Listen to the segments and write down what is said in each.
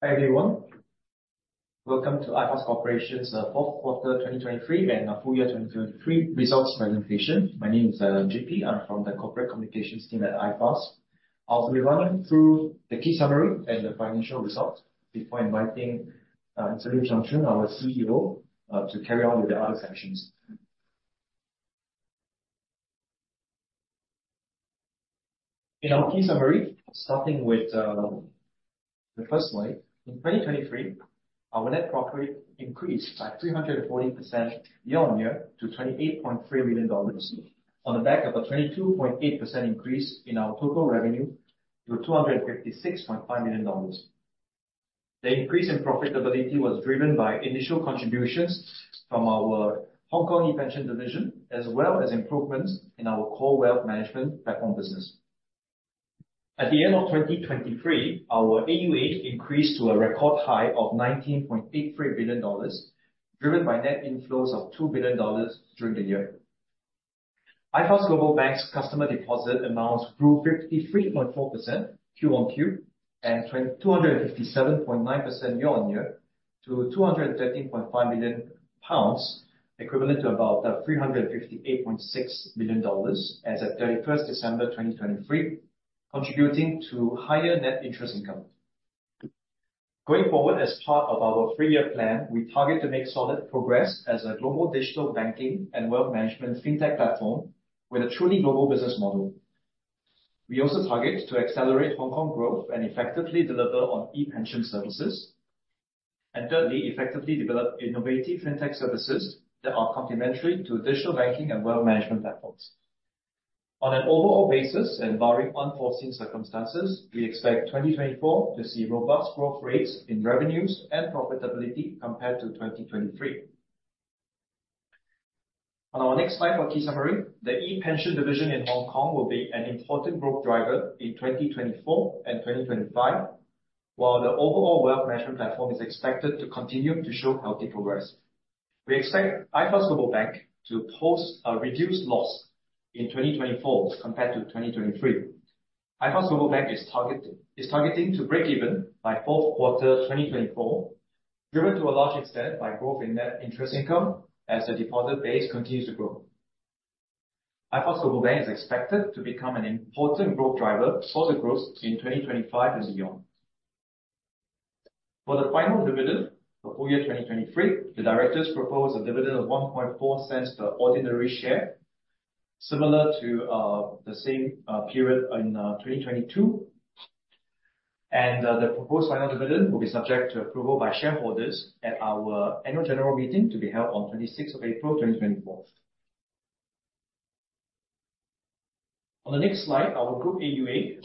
Hi everyone. Welcome to iFAST Corporation's 4th Quarter 2023 and Full Year 2023 Results Presentation. My name is JP. I'm from the corporate communications team at iFAST. I'll be running through the key summary and the financial results before inviting Lim Chung Chun, our CEO, to carry on with the other sections. In our key summary, starting with the first slide, in 2023, our net profit increased by 340% year-on-year to 28.3 million dollars, on the back of a 22.8% increase in our total revenue to 256.5 million dollars. The increase in profitability was driven by initial contributions from our Hong Kong ePension Division, as well as improvements in our Core Wealth Management platform business. At the end of 2023, our AUA increased to a record high of SGD 19.83 billion, driven by net inflows of SGD 2 billion during the year. iFAST Global Bank's customer deposit amounts grew 53.4% quarter-on-quarter and 257.9% year-on-year to 213.5 million pounds, equivalent to about $358.6 million as of 31 December 2023, contributing to higher net interest income. Going forward, as part of our three-year plan, we target to make solid progress as a global digital banking and wealth management fintech platform with a truly global business model. We also target to accelerate Hong Kong growth and effectively deliver on ePension services. And thirdly, effectively develop innovative fintech services that are complementary to digital banking and wealth management platforms. On an overall basis, and varying unforeseen circumstances, we expect 2024 to see robust growth rates in revenues and profitability compared to 2023. On our next slide for key summary, the ePension Division in Hong Kong will be an important growth driver in 2024 and 2025, while the overall wealth management platform is expected to continue to show healthy progress. We expect iFAST Global Bank to post a reduced loss in 2024 compared to 2023. iFAST Global Bank is targeting to break even by 4th quarter 2024, driven to a large extent by growth in net interest income as the deposit base continues to grow. iFAST Global Bank is expected to become an important growth driver for the growth in 2025 and beyond. For the final dividend for full year 2023, the directors propose a dividend of 0.014 per ordinary share, similar to the same period in 2022. The proposed final dividend will be subject to approval by shareholders at our annual general meeting to be held on 26 April 2024. On the next slide, our group AUA,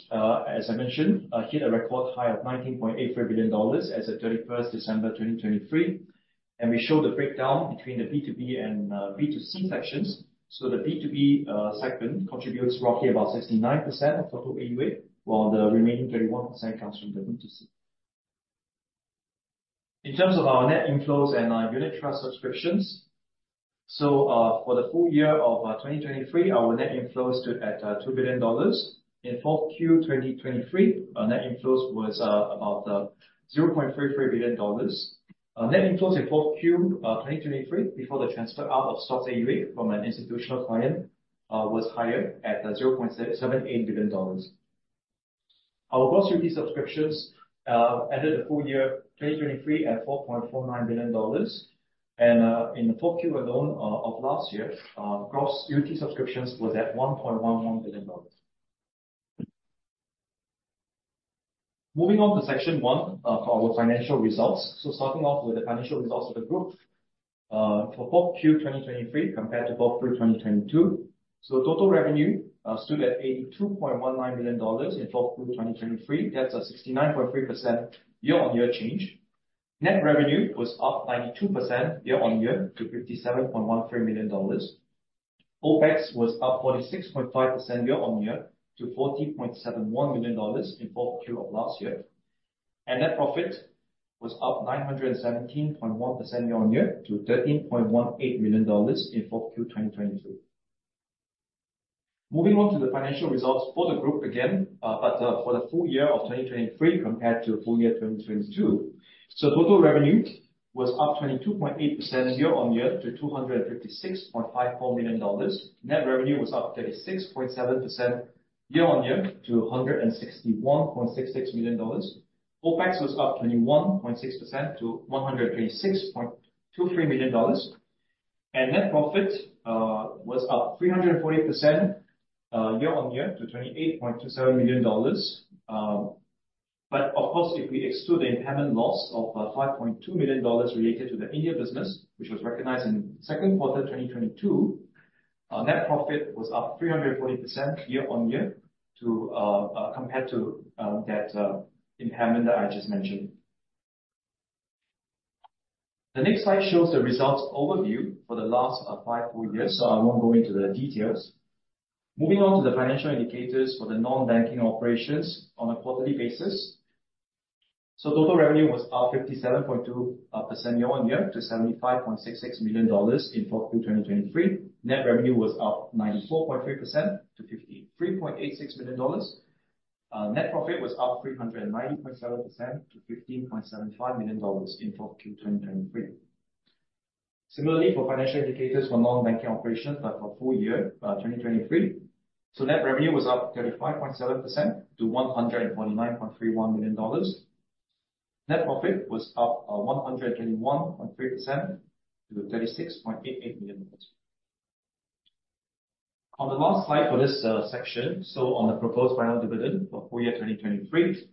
as I mentioned, hit a record high of SGD 19.83 billion as of 31 December 2023. We show the breakdown between the B2B and B2C sections. The B2B segment contributes roughly about 69% of total AUA, while the remaining 31% comes from the B2C. In terms of our net inflows and our unit trust subscriptions. For the full year of 2023, our net inflows stood at 2 billion dollars. In 4Q 2023, our net inflows was about 0.33 billion dollars. Net inflows in 4Q 2023, before the transfer out of stock AUA from an institutional client, was higher at 0.78 billion dollars. Our gross unit trust subscriptions ended the full year 2023 at SGD 4.49 billion. In the 4Q alone of last year, gross unit trust subscriptions was at 1.11 billion dollars. Moving on to Section 1 for our financial results. Starting off with the financial results of the group for 4Q 2023 compared to 4Q 2022. Total revenue stood at SGD 82.19 million in 4Q 2023. That's a 69.3% year-on-year change. Net revenue was up 92% year-on-year to 57.13 million dollars. OPEX was up 46.5% year-on-year to 40.71 million dollars in 4Q of last year. Net profit was up 917.1% year-on-year to SGD 13.18 million in 4Q 2023. Moving on to the financial results for the group again, but for the full year of 2023 compared to full year 2022. Total revenue was up 22.8% year-on-year to 256.54 million dollars. Net revenue was up 36.7% year-on-year to 161.66 million dollars. OPEX was up 21.6% to 126.23 million dollars. Net profit was up 340% year-on-year to 28.27 million dollars. But of course, if we exclude the impairment loss of 5.2 million dollars related to the India business, which was recognized in second quarter 2022, net profit was up 340% year-on-year compared to that impairment that I just mentioned. The next slide shows the results overview for the last five full years. So I won't go into the details. Moving on to the financial indicators for the non-banking operations on a quarterly basis. So total revenue was up 57.2% year-on-year to SGD 75.66 million in Q4 2023. Net revenue was up 94.3% to SGD 53.86 million. Net profit was up 390.7% to SGD 15.75 million in Q4 2023. Similarly, for financial indicators for non-banking operations, but for full year 2023. So net revenue was up 35.7% to 149.31 million dollars. Net profit was up 121.3% to 36.88 million dollars. On the last slide for this section, so on the proposed final dividend for full year 2023,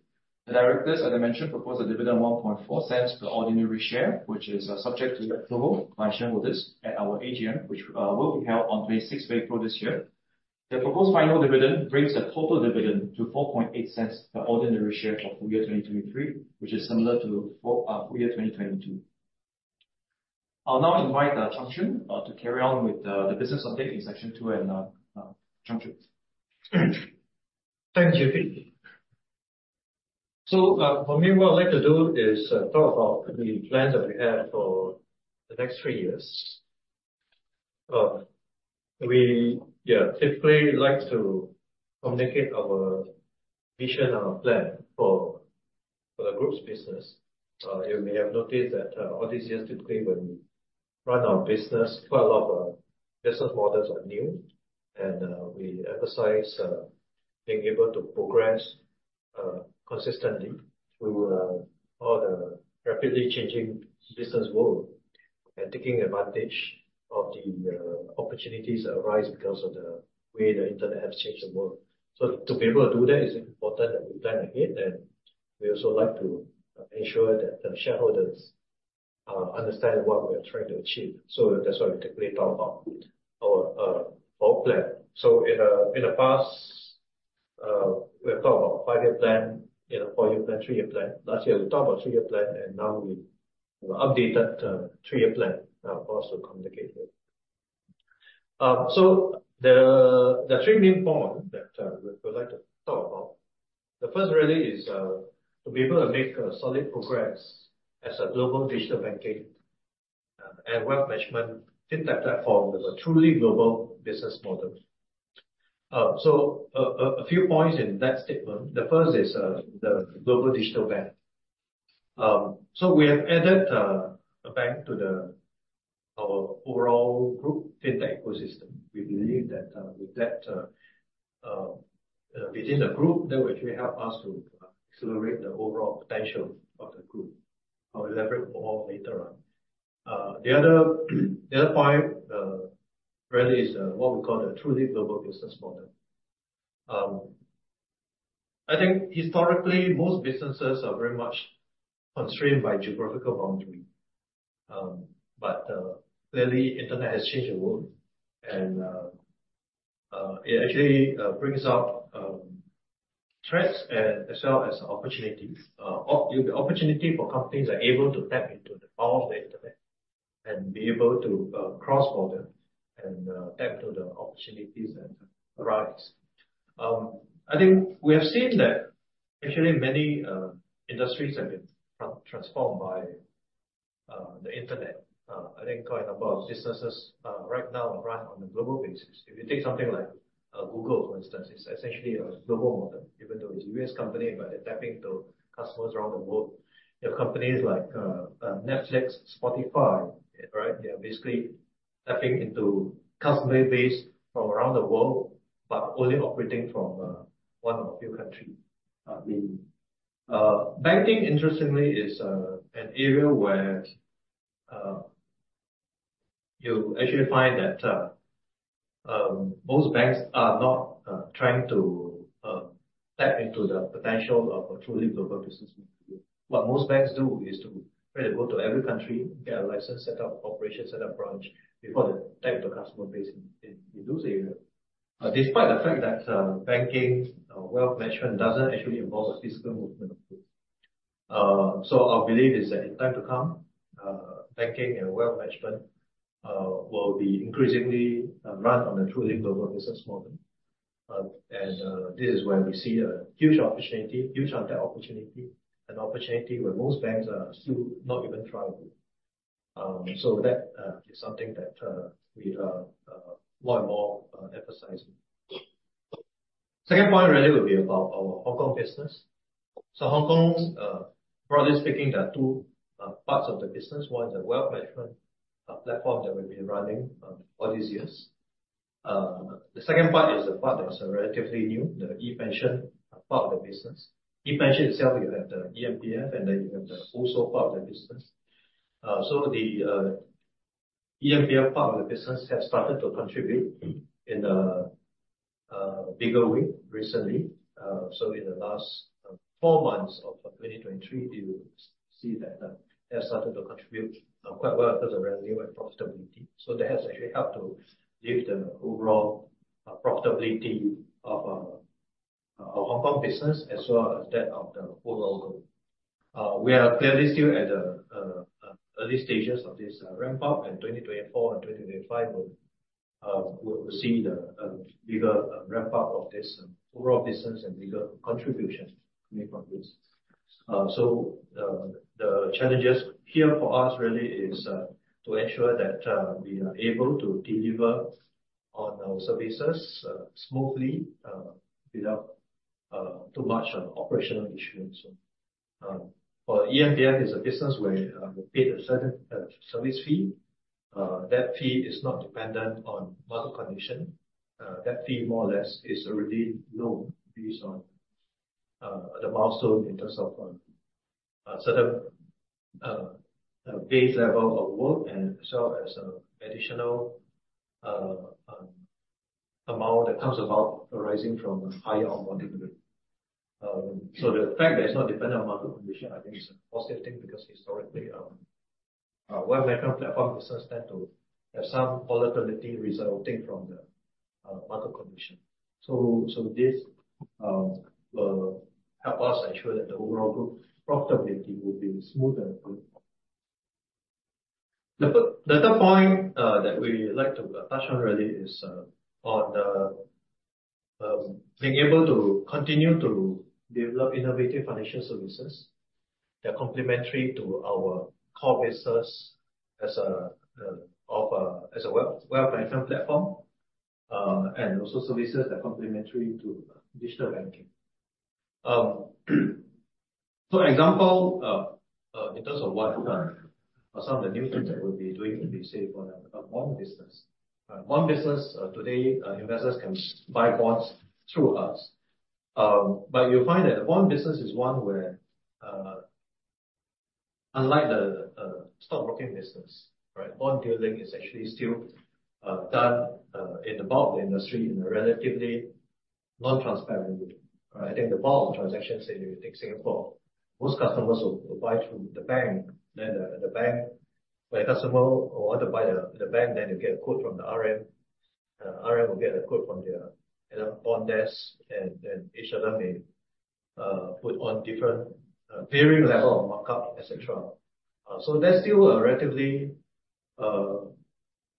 the directors, as I mentioned, propose a dividend of 0.014 per ordinary share, which is subject to approval by shareholders at our AGM, which will be held on 26 April this year. The proposed final dividend brings the total dividend to 0.048 per ordinary share for full year 2023, which is similar to full year 2022. I'll now invite Chung Chun to carry on with the business update in section two and Chung Chun. Thanks, JP. So for me, what I'd like to do is talk about the plans that we have for the next three years. We, yeah, typically like to communicate our vision, our plan for the group's business. You may have noticed that all these years typically, when we run our business, quite a lot of business models are new. And we emphasize being able to progress consistently through all the rapidly changing business world and taking advantage of the opportunities that arise because of the way the internet has changed the world. So to be able to do that, it's important that we plan ahead. And we also like to ensure that the shareholders understand what we are trying to achieve. So that's what we typically talk about, our plan. So in the past, we have talked about a five-year plan, four-year plan, three-year plan. Last year, we talked about a three-year plan. Now we've updated to a three-year plan for us to communicate with. The three main points that we would like to talk about, the first really is to be able to make solid progress as a global digital banking and wealth management fintech platform with a truly global business model. A few points in that statement. The first is the global digital bank. We have added a bank to our overall group fintech ecosystem. We believe that with that within the group, that will actually help us to accelerate the overall potential of the group. I'll elaborate more later on. The other point really is what we call the truly global business model. I think historically, most businesses are very much constrained by geographical boundary. But clearly, internet has changed the world. It actually brings up threats as well as opportunities. The opportunity for companies are able to tap into the power of the internet and be able to cross border and tap into the opportunities that arise. I think we have seen that actually, many industries have been transformed by the internet, I think, going about businesses right now run on a global basis. If you take something like Google, for instance, it's essentially a global model, even though it's a U.S. company, but they're tapping into customers around the world. You have companies like Netflix, Spotify, right? They are basically tapping into customer base from around the world, but only operating from one or a few countries. I mean, banking, interestingly, is an area where you actually find that most banks are not trying to tap into the potential of a truly global business model. What most banks do is to really go to every country, get a license set up, operation set up, branch before they tap into customer base in those areas, despite the fact that banking wealth management doesn't actually involve a physical movement of goods. So our belief is that in time to come, banking and wealth management will be increasingly run on a truly global business model. And this is where we see a huge opportunity, huge untapped opportunity, an opportunity where most banks are still not even tried to. So that is something that we are more and more emphasizing. Second point really will be about our Hong Kong business. So Hong Kong, broadly speaking, there are two parts of the business. One is a wealth management platform that will be running all these years. The second part is the part that's relatively new, the ePension part of the business. ePension itself, you have the eMPF, and then you have the ORSO part of the business. So the eMPF part of the business has started to contribute in a bigger way recently. So in the last four months of 2023, you see that they have started to contribute quite well in terms of revenue and profitability. So that has actually helped to lift the overall profitability of our Hong Kong business as well as that of the overall global. We are clearly still at the early stages of this ramp-up, and 2024 and 2025 will see the bigger ramp-up of this overall business and bigger contribution coming from this. So the challenges here for us really is to ensure that we are able to deliver on our services smoothly without too much operational issues. For eMPF, it's a business where we pay a certain service fee. That fee is not dependent on market condition. That fee, more or less, is already low based on the milestone in terms of a certain base level of work and as well as an additional amount that comes about arising from a higher onboarding rate. So the fact that it's not dependent on market condition, I think, is a positive thing because historically, wealth management platform business tend to have some volatility resulting from the market condition. So this will help us ensure that the overall group profitability will be smooth and good. The third point that we like to touch on really is on being able to continue to develop innovative financial services that are complementary to our core business as a wealth management platform and also services that are complementary to digital banking. For example, in terms of what some of the new things that we'll be doing will be say for a bond business. Bond business today, investors can buy bonds through us. But you'll find that the bond business is one where, unlike the stockbroking business, right, bond dealing is actually still done in the bulk of the industry in a relatively non-transparent way. I think the bulk of transactions, say, if you take Singapore, most customers will buy through the bank. Then the bank, when a customer wants to buy the bond, then they get a quote from the RM. RM will get a quote from their bond desk. And then each other may put on different varying level of markup, etc. So that's still a relatively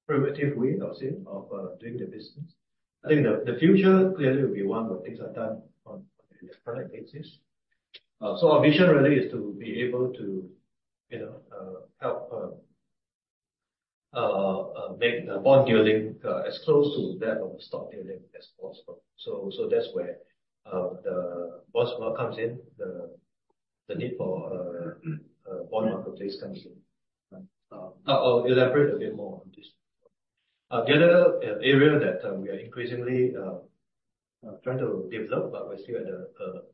primitive way, I would say, of doing the business. I think the future clearly will be one where things are done on an electronic basis. So our vision really is to be able to help make the bond dealing as close to that of the stock dealing as possible. So that's where the bonds world comes in, the need for a Bond Marketplace comes in. I'll elaborate a bit more on this. The other area that we are increasingly trying to develop, but we're still at the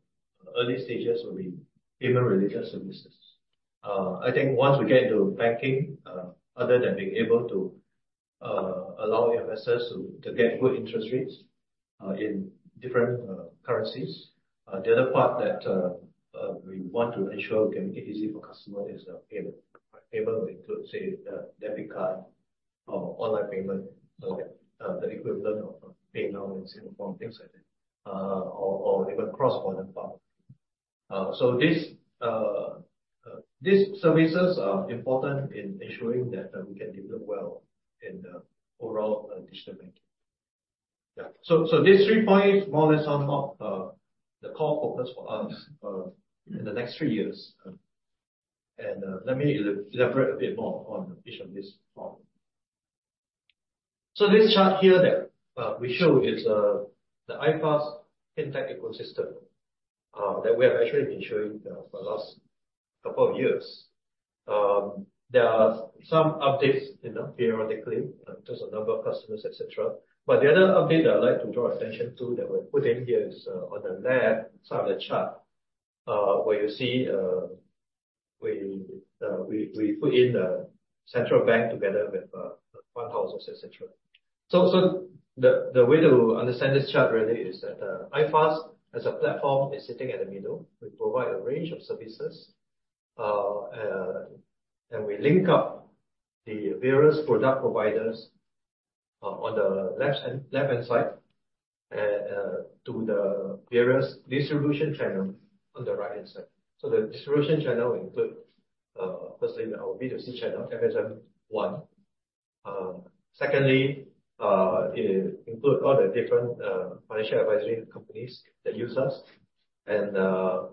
early stages, will be payment-related services. I think once we get into banking, other than being able to allow investors to get good interest rates in different currencies, the other part that we want to ensure we can make it easy for customers is payment. Payment will include, say, debit card or online payment, the equivalent of PayNow in Singapore, things like that, or even cross-border banking. So these services are important in ensuring that we can develop well in the overall digital banking. Yeah. So these three points more or less are not the core focus for us in the next three years. And let me elaborate a bit more on each of these points. So this chart here that we show is the iFAST FinTech ecosystem that we have actually been showing for the last couple of years. There are some updates periodically in terms of number of customers, etc. But the other update that I'd like to draw attention to that we're putting here is on the left side of the chart where you see we put in the central bank together with fund houses, etc. So the way to understand this chart really is that iFAST, as a platform, is sitting at the middle. We provide a range of services. We link up the various product providers on the left-hand side to the various distribution channels on the right-hand side. So the distribution channel includes, firstly, our B2C channel, FSMOne. Secondly, it includes all the different financial advisory companies that use us and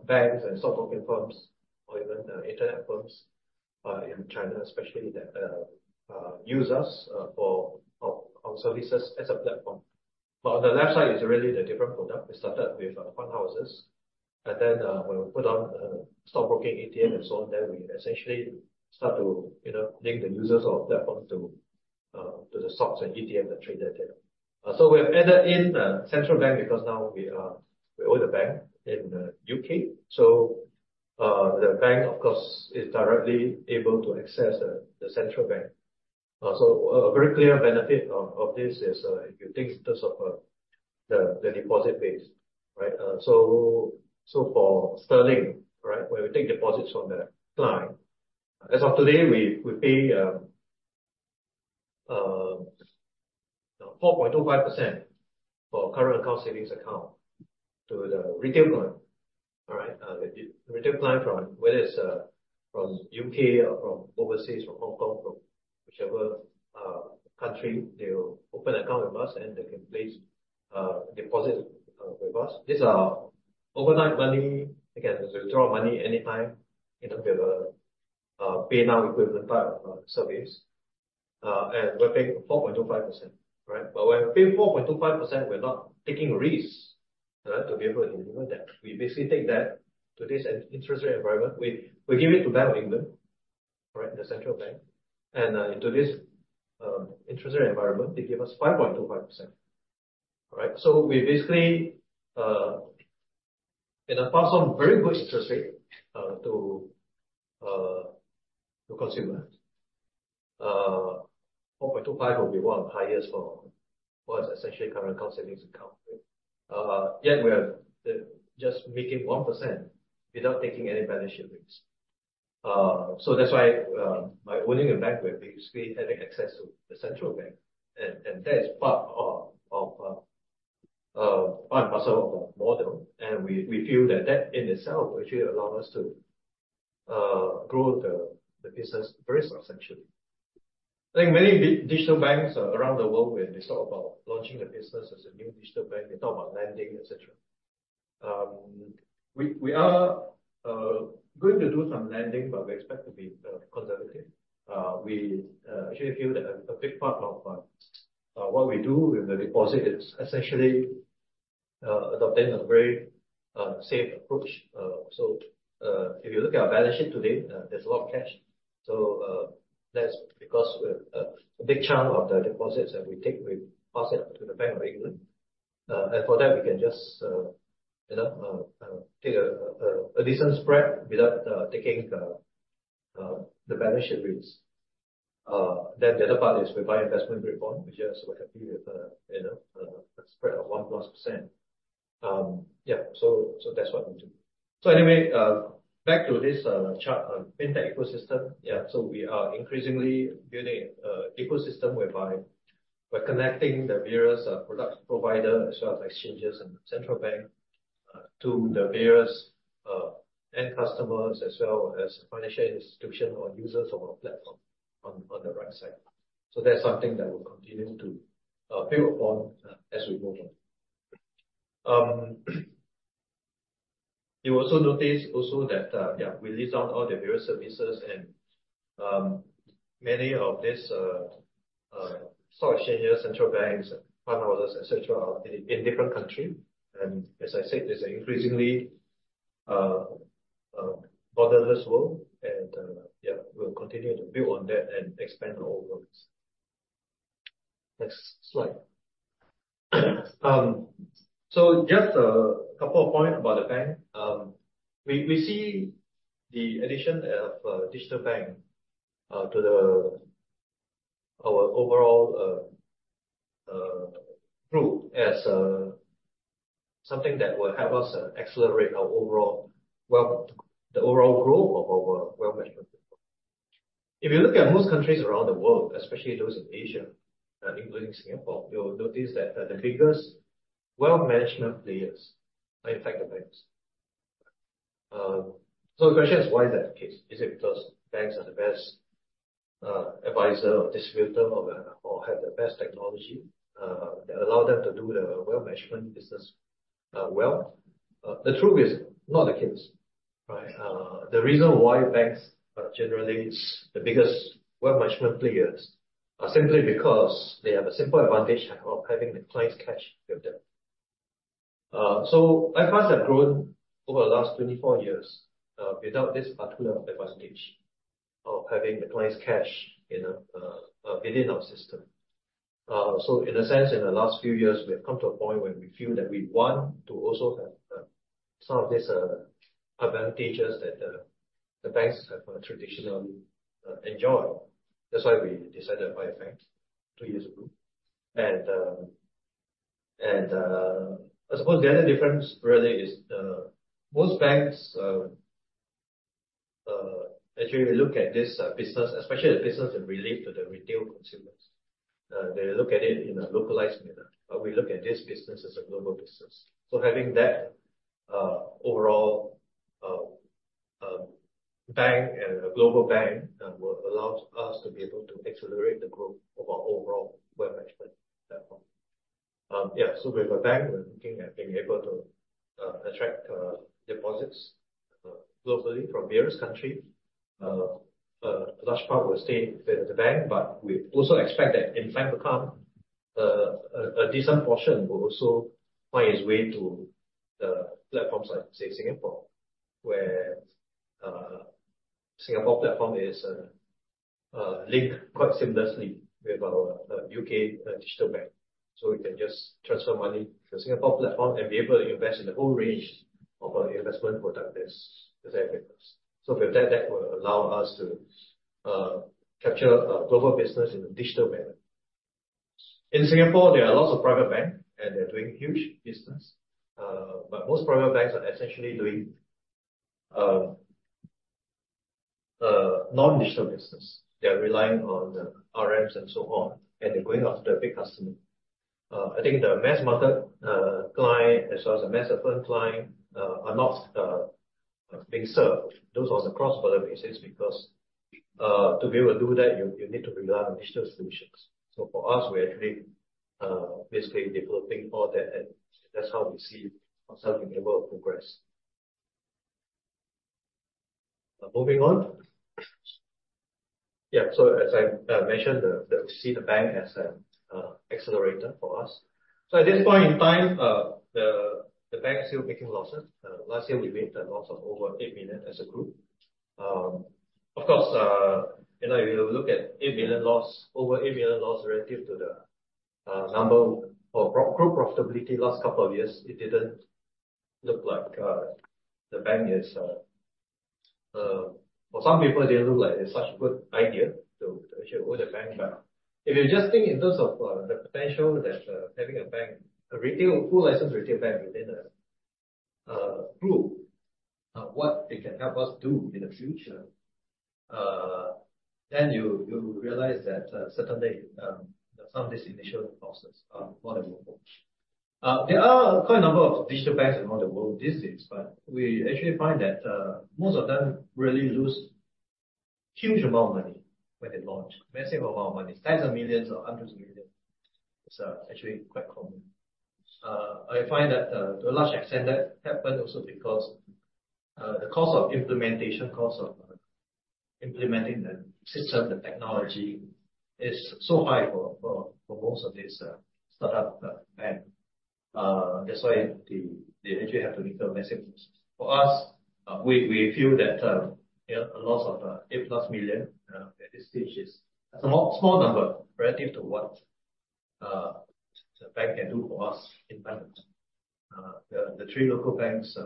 banks and stockbroking firms or even internet firms in China, especially, that use us for our services as a platform. But on the left side is really the different products. We started with fund houses. Then when we put on the stockbroking ETFs and so on, then we essentially start to link the users of our platform to the stocks and ETFs that trade that data. So we have added in the central bank because now we own the bank in the U.K. So the bank, of course, is directly able to access the central bank. So a very clear benefit of this is if you think in terms of the deposit base, right? So for sterling, right, when we take deposits from the client, as of today, we pay 4.25% for current account savings account to the retail client, all right? The retail client, whether it's from U.K. or from overseas, from Hong Kong, from whichever country, they'll open an account with us, and they can place deposits with us. These are overnight money. Again, we withdraw money anytime in terms of a PayNow equivalent type of service. And we're paying 4.25%, right? But when we pay 4.25%, we're not taking risks, right, to be able to deliver that. We basically take that to this interest rate environment. We give it to Bank of England, right, the central bank. And into this interest rate environment, they give us 5.25%, all right? So we basically, in the past, [offered] some very good interest rate to consumers. 4.25% will be one of the highest for us, essentially, current account savings account, right? Yet we are just making 1% without taking any balance sheet risks. So that's why my owning a bank, we're basically having access to the central bank. And that is part of our part and parcel of our model. And we feel that that in itself actually allows us to grow the business very substantially. I think many digital banks around the world, when they talk about launching the business as a new digital bank, they talk about lending, etc. We are going to do some lending, but we expect to be conservative. We actually feel that a big part of what we do with the deposit is essentially adopting a very safe approach. So if you look at our balance sheet today, there's a lot of cash. So that's because a big chunk of the deposits that we take, we pass it to the Bank of England. And for that, we can just take a decent spread without taking the balance sheet risks. Then the other part is we buy investment-grade bond, which is we're happy with a spread of 1%+. Yeah. So that's what we do. So anyway, back to this chart, FinTech ecosystem. Yeah. So we are increasingly building an ecosystem whereby we're connecting the various product providers as well as exchanges and central bank to the various end customers as well as financial institutions or users of our platform on the right side. So that's something that we'll continue to build upon as we move on. You will also notice that, yeah, we list out all the various services. Many of these stock exchanges, central banks, fundhouses, etc., are in different countries. As I said, it's an increasingly borderless world. Yeah, we'll continue to build on that and expand our overall business. Next slide. So just a couple of points about the bank. We see the addition of digital bank to our overall group as something that will help us accelerate the overall growth of our wealth management platform. If you look at most countries around the world, especially those in Asia, including Singapore, you'll notice that the biggest wealth management players are, in fact, the banks. So the question is, why is that the case? Is it because banks are the best advisor or distributor or have the best technology that allow them to do the wealth management business well? The truth is not the case, right? The reason why banks are generally the biggest wealth management players are simply because they have a simple advantage of having the client's cash with them. So iFAST has grown over the last 24 years without this particular advantage of having the client's cash within our system. So in a sense, in the last few years, we have come to a point where we feel that we want to also have some of these advantages that the banks have traditionally enjoyed. That's why we decided to buy a bank 2 years ago. And I suppose the other difference really is most banks, actually, we look at this business, especially the business that relate to the retail consumers. They look at it in a localized manner. But we look at this business as a global business. So having that overall bank and a global bank will allow us to be able to accelerate the growth of our overall wealth management platform. Yeah. So with a bank, we're looking at being able to attract deposits globally from various countries. A large part will stay with the bank. But we also expect that in time to come, a decent portion will also find its way to platforms like, say, Singapore, where Singapore platform is linked quite seamlessly with our UK digital bank. So we can just transfer money to the Singapore platform and be able to invest in the whole range of our investment products as everything else. So with that, that will allow us to capture a global business in a digital manner. In Singapore, there are lots of private banks, and they're doing huge business. But most private banks are essentially doing non-digital business. They are relying on RMs and so on. And they're going after the big customer. I think the mass market client as well as the mass affluent client are not being served. Those are on the cross-border basis because to be able to do that, you need to rely on digital solutions. So for us, we're actually basically developing all that. And that's how we see ourselves being able to progress. Moving on. Yeah. So as I mentioned, we see the bank as an accelerator for us. So at this point in time, the bank is still making losses. Last year, we made a loss of over 8 million as a group. Of course, if you look at 8 million loss, over 8 million loss relative to the number or group profitability last couple of years, it didn't look like the bank is for some people, it didn't look like it's such a good idea to actually own a bank. But if you just think in terms of the potential that having a full-licensed retail bank within a group, what it can help us do in the future, then you realize that certainly, some of these initial losses are more than meaningful. There are quite a number of digital banks around the world these days. But we actually find that most of them really lose a huge amount of money when they launch, massive amount of money, SGD tens of millions or SGD hundreds of millions. It's actually quite common. I find that to a large extent, that happened also because the cost of implementation, cost of implementing the system, the technology is so high for most of these startup banks. That's why they actually have to incur massive losses. For us, we feel that a loss of 8+ million at this stage is a small number relative to what the bank can do for us in time. The three local banks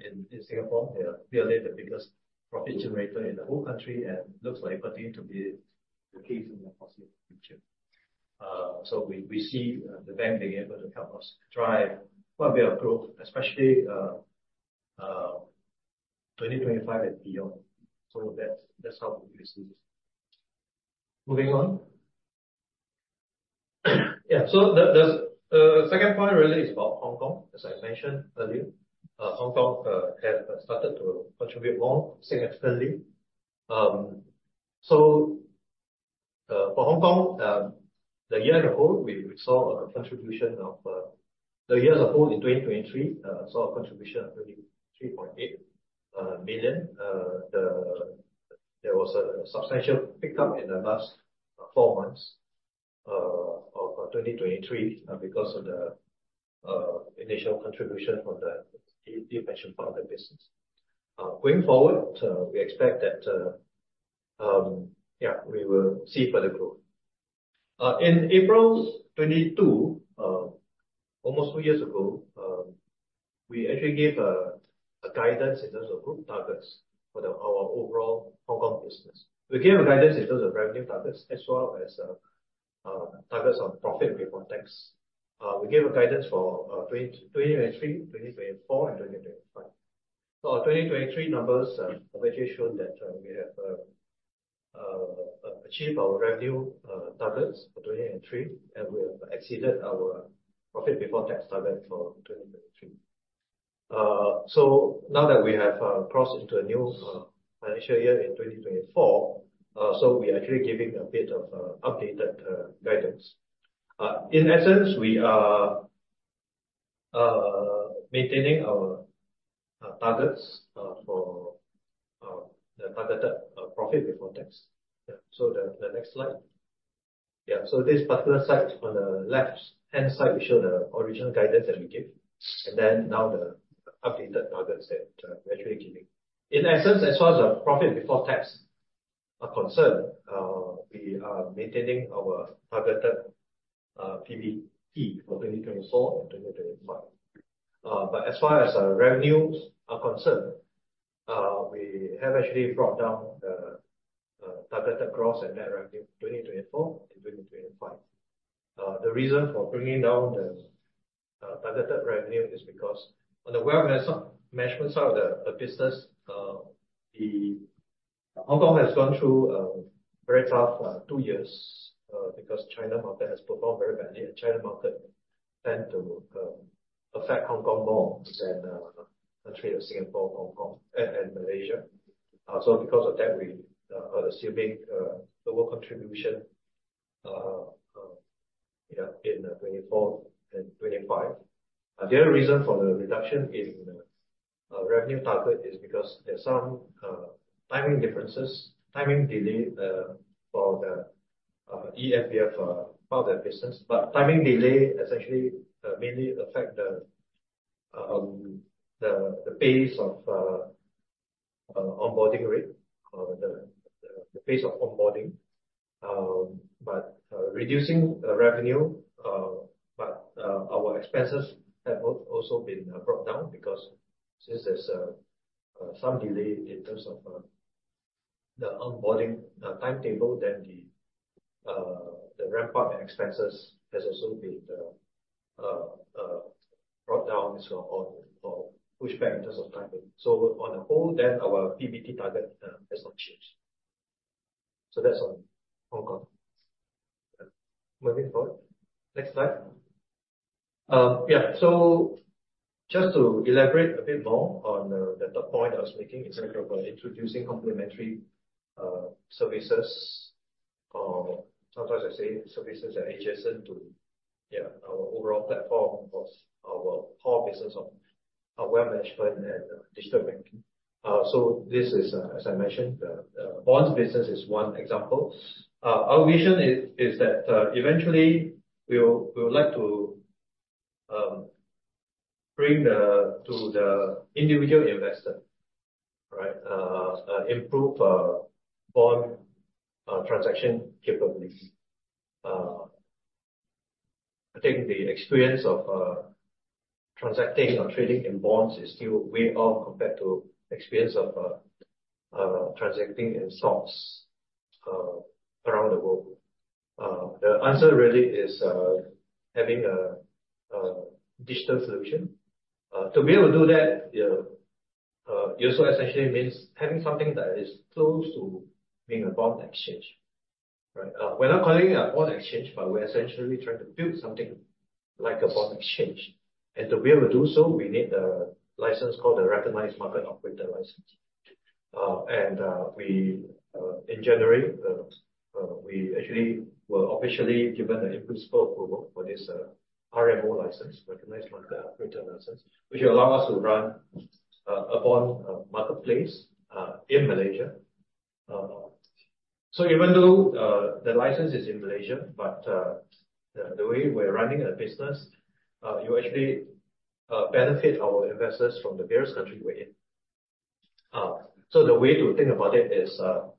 in Singapore, they are clearly the biggest profit generator in the whole country. It looks like it continues to be the case in the foreseeable future. We see the bank being able to help us drive quite a bit of growth, especially 2025 and beyond. That's how we see this. Moving on. Yeah. The second point really is about Hong Kong, as I mentioned earlier. Hong Kong has started to contribute more significantly. So for Hong Kong, the year as a whole in 2023, we saw a contribution of 23.8 million. There was a substantial pickup in the last 4 months of 2023 because of the initial contribution from the eMPF pension part of the business. Going forward, we expect that, yeah, we will see further growth. In April 2022, almost 2 years ago, we actually gave guidance in terms of group targets for our overall Hong Kong business. We gave guidance in terms of revenue targets as well as targets on profit before tax. We gave guidance for 2023, 2024, and 2025. So our 2023 numbers have actually shown that we have achieved our revenue targets for 2023. And we have exceeded our profit before tax target for 2023. So now that we have crossed into a new financial year in 2024, so we are actually giving a bit of updated guidance. In essence, we are maintaining our targets for the targeted profit before tax. Yeah. So the next slide. Yeah. So this particular slide on the left-hand side, we show the original guidance that we gave. And then now the updated targets that we're actually giving. In essence, as far as our profit before tax are concerned, we are maintaining our targeted PBT for 2024 and 2025. But as far as revenues are concerned, we have actually brought down the targeted gross and net revenue 2024 and 2025. The reason for bringing down the targeted revenue is because on the wealth management side of the business, Hong Kong has gone through very tough two years because China market has performed very badly. China market tends to affect Hong Kong more than the country of Singapore, Hong Kong, and Malaysia. So because of that, we are assuming global contribution, yeah, in 2024 and 2025. The other reason for the reduction in revenue target is because there's some timing differences, timing delay for the eMPF part of the business. But timing delay essentially mainly affects the pace of onboarding rate or the pace of onboarding. But reducing revenue, but our expenses have also been brought down because since there's some delay in terms of the onboarding timetable, then the ramp-up expenses has also been brought down as well or pushed back in terms of timing. So on the whole, then our PBT target has not changed. So that's on Hong Kong. Moving forward. Next slide. Yeah. So just to elaborate a bit more on the top point I was making, instead of introducing complementary services, or sometimes I say services that are adjacent to, yeah, our overall platform of our core business of wealth management and digital banking. So this is, as I mentioned, the bonds business is one example. Our vision is that eventually, we would like to bring to the individual investor, right, improve bond transaction capabilities. I think the experience of transacting or trading in bonds is still way off compared to the experience of transacting in stocks around the world. The answer really is having a digital solution. To be able to do that, it also essentially means having something that is close to being a bond exchange, right? We're not calling it a bond exchange, but we're essentially trying to build something like a bond exchange. To be able to do so, we need a license called the Recognised Market Operator License. In January, we actually were officially given the in-principle approval for this RMO license, Recognised Market Operator License, which will allow us to run a Bond Marketplace in Malaysia. Even though the license is in Malaysia, the way we're running the business, you actually benefit our investors from the various countries we're in. The way to think about it is the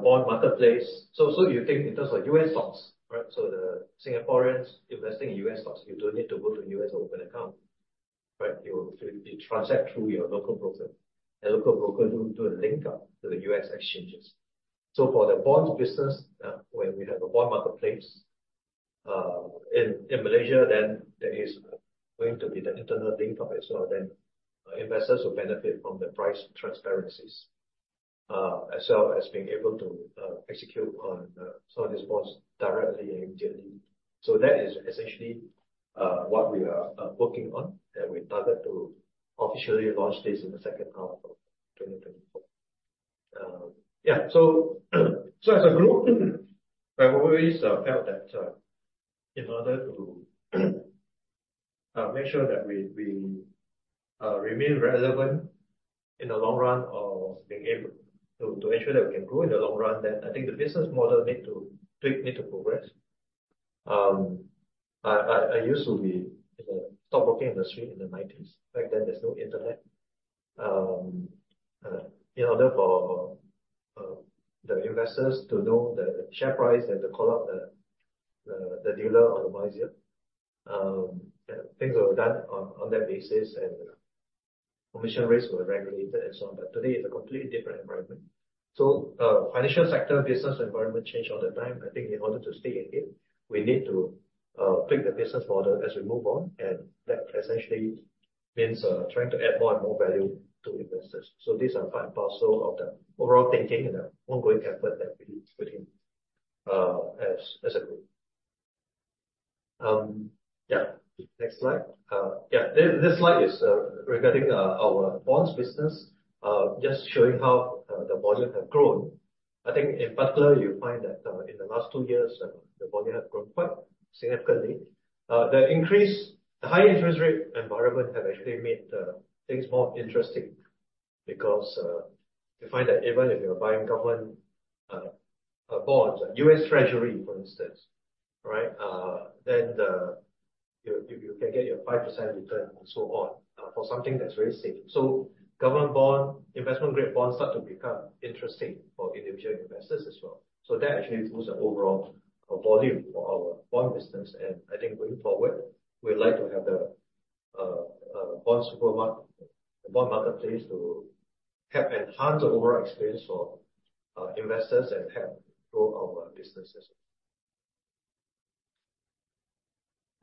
Bond Marketplace. You think in terms of U.S. stocks, right? The Singaporeans investing in U.S. stocks, you don't need to go to U.S. or open an account, right? You transact through your local broker. Local broker do a linkup to the U.S. exchanges. So for the bonds business, when we have a Bond Marketplace in Malaysia, then there is going to be the internal linkup as well. Then investors will benefit from the price transparencies as well as being able to execute on some of these bonds directly and immediately. So that is essentially what we are working on that we target to officially launch this in the second half of 2024. Yeah. So as a group, we always felt that in order to make sure that we remain relevant in the long run or being able to ensure that we can grow in the long run, then I think the business model needs to progress. I used to be in the stockbroking industry in the 1990s. Back then, there's no internet. In order for the investors to know the share price and to call up the dealer or the buy a share, things were done on that basis. Commission rates were regulated and so on. But today, it's a completely different environment. So financial sector business environment changed all the time. I think in order to stay ahead, we need to pick the business model as we move on. And that essentially means trying to add more and more value to investors. So these are five parcels of the overall thinking and the ongoing effort that we put in as a group. Yeah. Next slide. Yeah. This slide is regarding our bonds business, just showing how the volume has grown. I think in particular, you find that in the last two years, the volume has grown quite significantly. The high interest rate environment has actually made things more interesting because you find that even if you're buying government bonds, U.S. Treasury, for instance, right, then you can get your 5% return and so on for something that's very safe. So government bond, investment-grade bonds start to become interesting for individual investors as well. So that actually improves the overall volume for our bond business. And I think going forward, we would like to have the Bond Supermart, the Bond Marketplace to help enhance the overall experience for investors and help grow our business as well.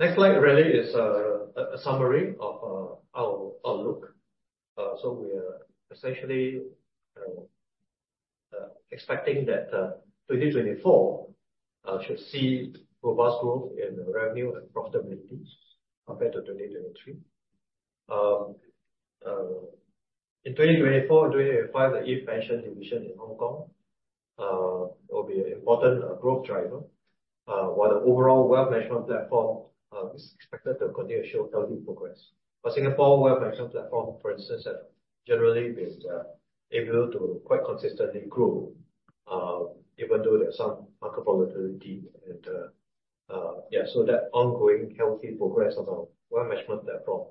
Next slide really is a summary of our outlook. So we are essentially expecting that 2024 should see robust growth in revenue and profitability compared to 2023. In 2024 and 2025, the iFAST ePension Division in Hong Kong will be an important growth driver while the overall wealth management platform is expected to continue to show healthy progress. Singapore wealth management platform, for instance, has generally been able to quite consistently grow even though there's some market volatility. Yeah, so that ongoing healthy progress of our wealth management platform,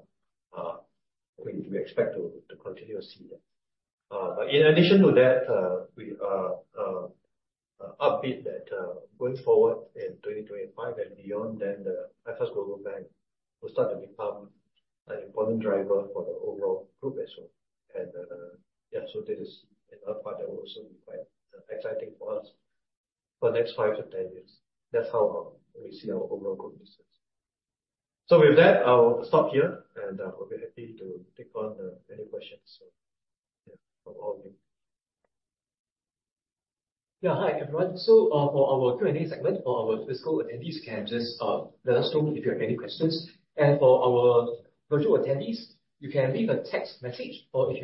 we expect to continue to see that. In addition to that, we're upbeat that going forward in 2025 and beyond, the iFAST Global Bank will start to become an important driver for the overall group as well. Yeah, so this is another part that will also be quite exciting for us for the next 5-10 years. That's how we see our overall growth business. With that, I'll stop here. I'll be happy to take on any questions, yeah, from all of you. Yeah. Hi, everyone. For our Q&A segment, for our physical attendees, you can just let us know if you have any questions. For our virtual attendees, you can leave a text message. Or if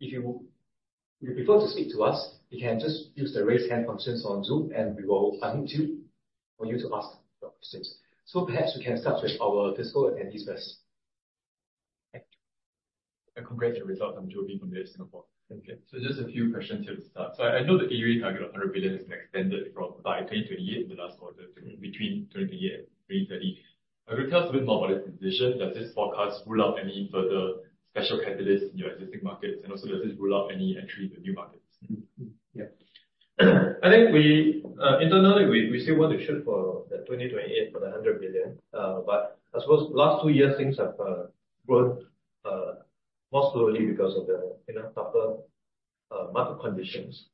you prefer to speak to us, you can just use the raise hand function on Zoom. And we will unmute you for you to ask your questions. So perhaps we can start with our physical attendees first. Thank you. And congrats on your results. I'm Jovi from The Edge Singapore. Thank you. So just a few questions here to start. So I know the AUA target of 100 billion has been extended by 2028, the last quarter, between 2028 and 2030. Could you tell us a bit more about this decision? Does this forecast rule out any further special catalysts in your existing markets? And also, does this rule out any entry into new markets? Yeah. I think internally, we still want to shoot for 2028 for the 100 billion. But I suppose last two years, things have grown more slowly because of the tougher market conditions.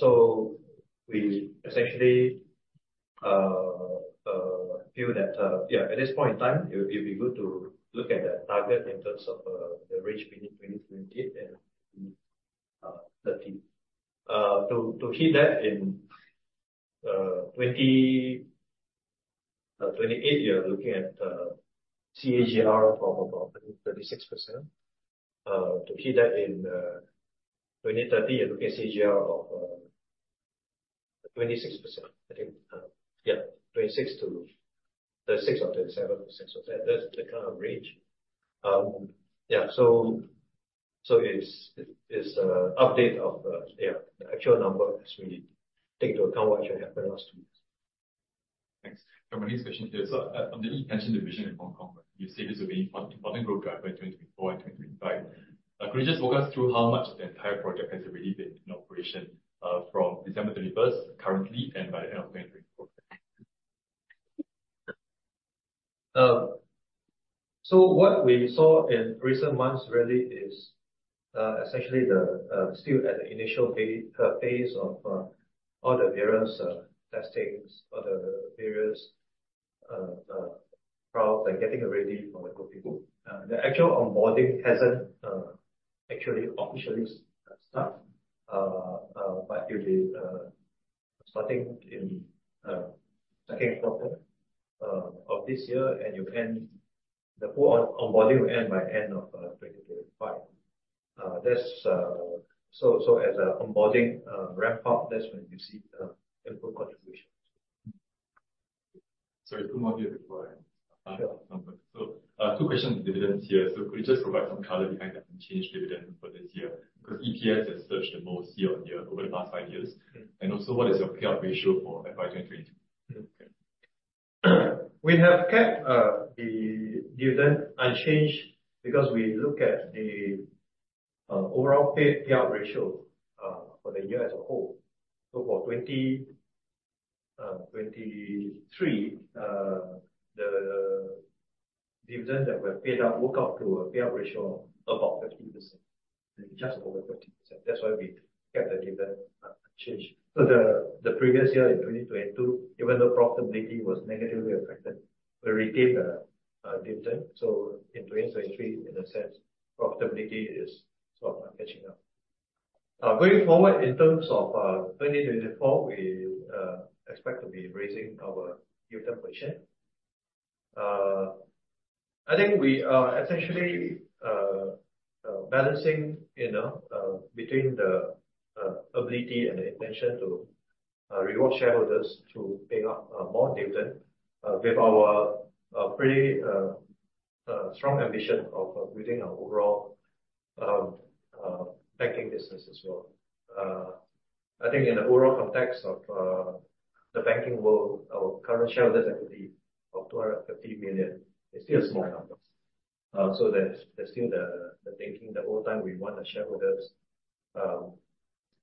So we essentially feel that, yeah, at this point in time, it would be good to look at the target in terms of the range between 2028 and 2030. To hit that in 2028, you're looking at CAGR of about 36%. To hit that in 2030, you're looking at CAGR of 26%. I think, yeah, 26%-36% or 37%. So that's the kind of range. Yeah. So it's an update of, yeah, the actual number as we take into account what actually happened last two years. Thanks. My next question here is on the ePension division in Hong Kong. You say this will be an important growth driver in 2024 and 2025. Could you just walk us through how much of the entire project has already been in operation from December 31st, currently, and by the end of 2024? What we saw in recent months really is essentially still at the initial phase of all the various testings, all the various rounds and getting ready for the growth. The actual onboarding hasn't actually officially started. It will be starting in second quarter of this year. The full onboarding will end by the end of 2025. As an onboarding ramp-up, that's when you see initial contributions. Sorry, put more here before I jump in. Two questions on dividends here. So could you just provide some color behind the unchanged dividend for this year because EPS has surged the most year-over-year over the past five years? And also, what is your payout ratio for FY 2022? Okay. We have kept the dividend unchanged because we look at the overall payout ratio for the year as a whole. So for 2023, the dividend that were paid out worked out to a payout ratio of about 50%, just over 50%. That's why we kept the dividend unchanged. So the previous year, in 2022, even though profitability was negatively affected, we retained the dividend. So in 2023, in a sense, profitability is sort of catching up. Going forward in terms of 2024, we expect to be raising our dividend per share. I think we are essentially balancing between the ability and the intention to reward shareholders to pay out more dividend with our pretty strong ambition of building our overall banking business as well. I think in the overall context of the banking world, our current shareholders' equity of 250 million is still a small number. So there's still the thinking, the old time, we wanted shareholders'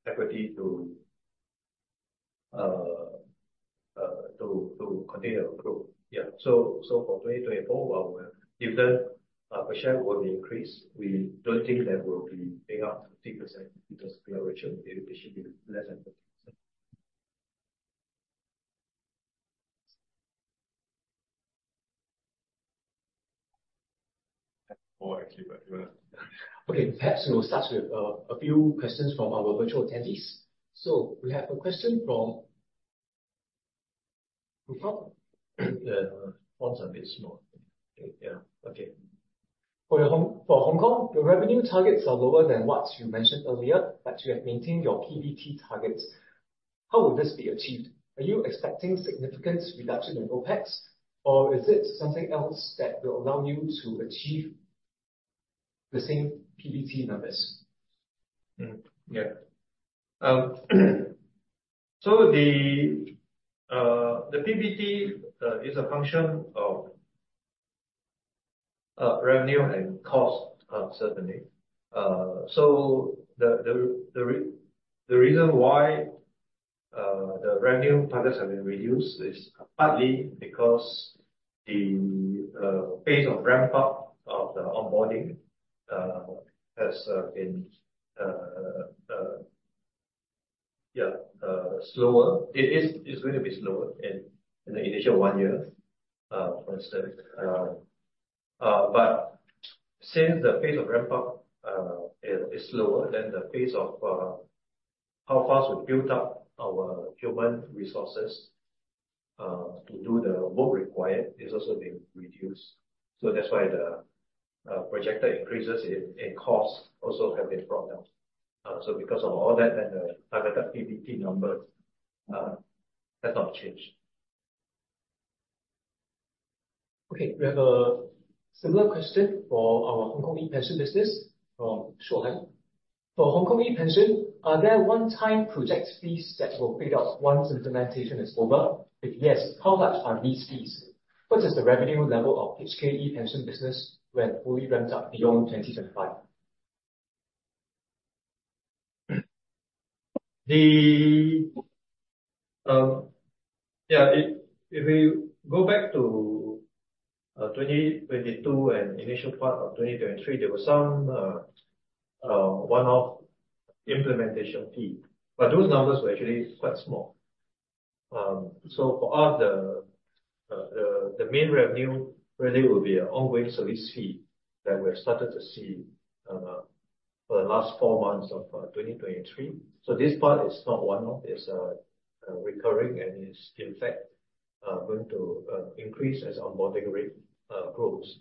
equity to continue to grow. Yeah. So for 2024, our dividend per share will be increased. We don't think that we'll be paying out 50% because payout ratio, it should be less than 50%. More actually, but you're welcome. Okay. Perhaps we'll start with a few questions from our virtual attendees. So we have a question from Kufa. The fonts are a bit small. Yeah. Okay. For Hong Kong, the revenue targets are lower than what you mentioned earlier, but you have maintained your PBT targets. How will this be achieved? Are you expecting significant reduction in OPEX, or is it something else that will allow you to achieve the same PBT numbers? Yeah. So the PBT is a function of revenue and cost, certainly. So the reason why the revenue targets have been reduced is partly because the phase of ramp-up of the onboarding has been, yeah, slower. It is going to be slower in the initial one year, for instance. But since the phase of ramp-up is slower than the phase of how fast we built up our human resources to do the work required, it's also been reduced. So that's why the projected increases in cost also have been brought down. So because of all that, then the targeted PBT number has not changed. Okay. We have a similar question for our Hong Kong ePension business from Shuolan. For Hong Kong ePension, are there one-time project fees that will be paid out once implementation is over? If yes, how much are these fees? What is the revenue level of HK ePension business when fully ramped up beyond 2025? Yeah. If we go back to 2022 and initial part of 2023, there was some one-off implementation fee. But those numbers were actually quite small. So for us, the main revenue really will be an ongoing service fee that we have started to see for the last four months of 2023. So this part is not one-off. It's recurring. And it's, in fact, going to increase as onboarding rate grows.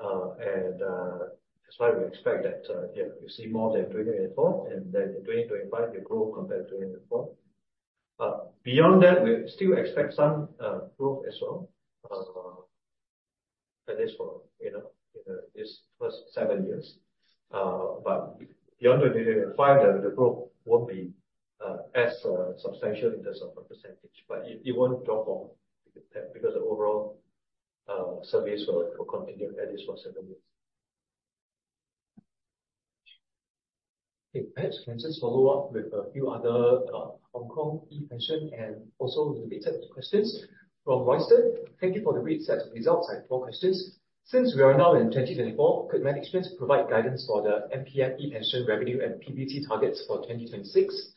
And that's why we expect that, yeah, you see more than 2024. Then in 2025, you grow compared to 2024. Beyond that, we still expect some growth as well, at least for these first seven years. But beyond 2025, the growth won't be as substantial in terms of a percentage. But it won't drop off because the overall service will continue at least for seven years. Okay. Perhaps we can just follow up with a few other Hong Kong eMPF and also related questions from Royston. Thank you for the great set of results and more questions. Since we are now in 2024, could my experience provide guidance for the MPF eMPF revenue and PBT targets for 2026?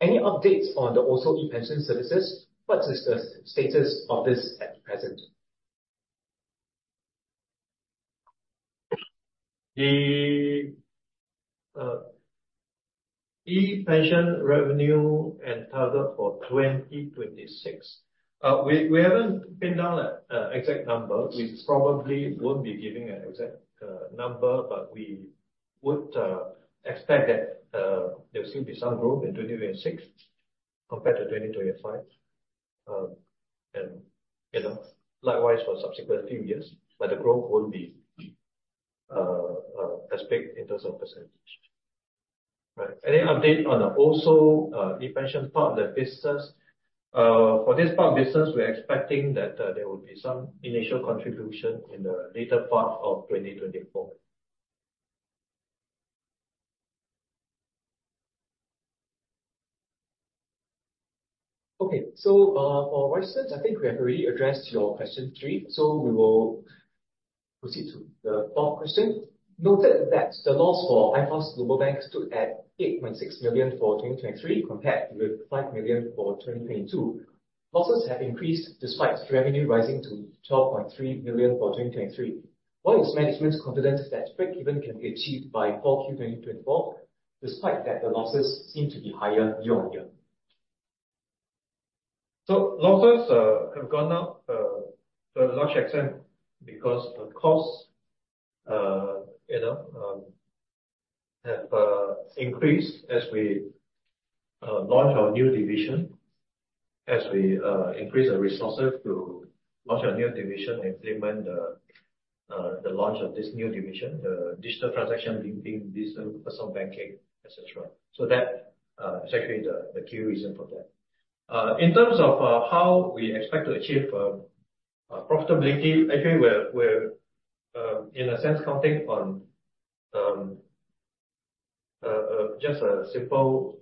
Any updates on the ORSO eMPF services? What is the status of this at present? The eMPF revenue and target for 2026, we haven't pinned down an exact number. We probably won't be giving an exact number. We would expect that there will still be some growth in 2026 compared to 2025 and likewise for the subsequent few years. The growth won't be as big in terms of percentage, right? Any update on the ePension part of the business? For this part of business, we're expecting that there will be some initial contribution in the later part of 2024. Okay. For Royston, I think we have already addressed your question three. We will proceed to the fourth question. Noted that the loss for iFAST Global Bank stood at 8.6 million for 2023 compared with 5 million for 2022. Losses have increased despite revenue rising to 12.3 million for 2023. Why is management confident that break-even can be achieved by 4Q 2024 despite the losses seem to be higher year-on-year? So losses have gone up to a large extent because the costs have increased as we launch our new division, as we increase the resources to launch our new division and implement the launch of this new division, the digital transaction linking, digital personal banking, etc. So that's actually the key reason for that. In terms of how we expect to achieve profitability, actually, we're, in a sense, counting on just a simple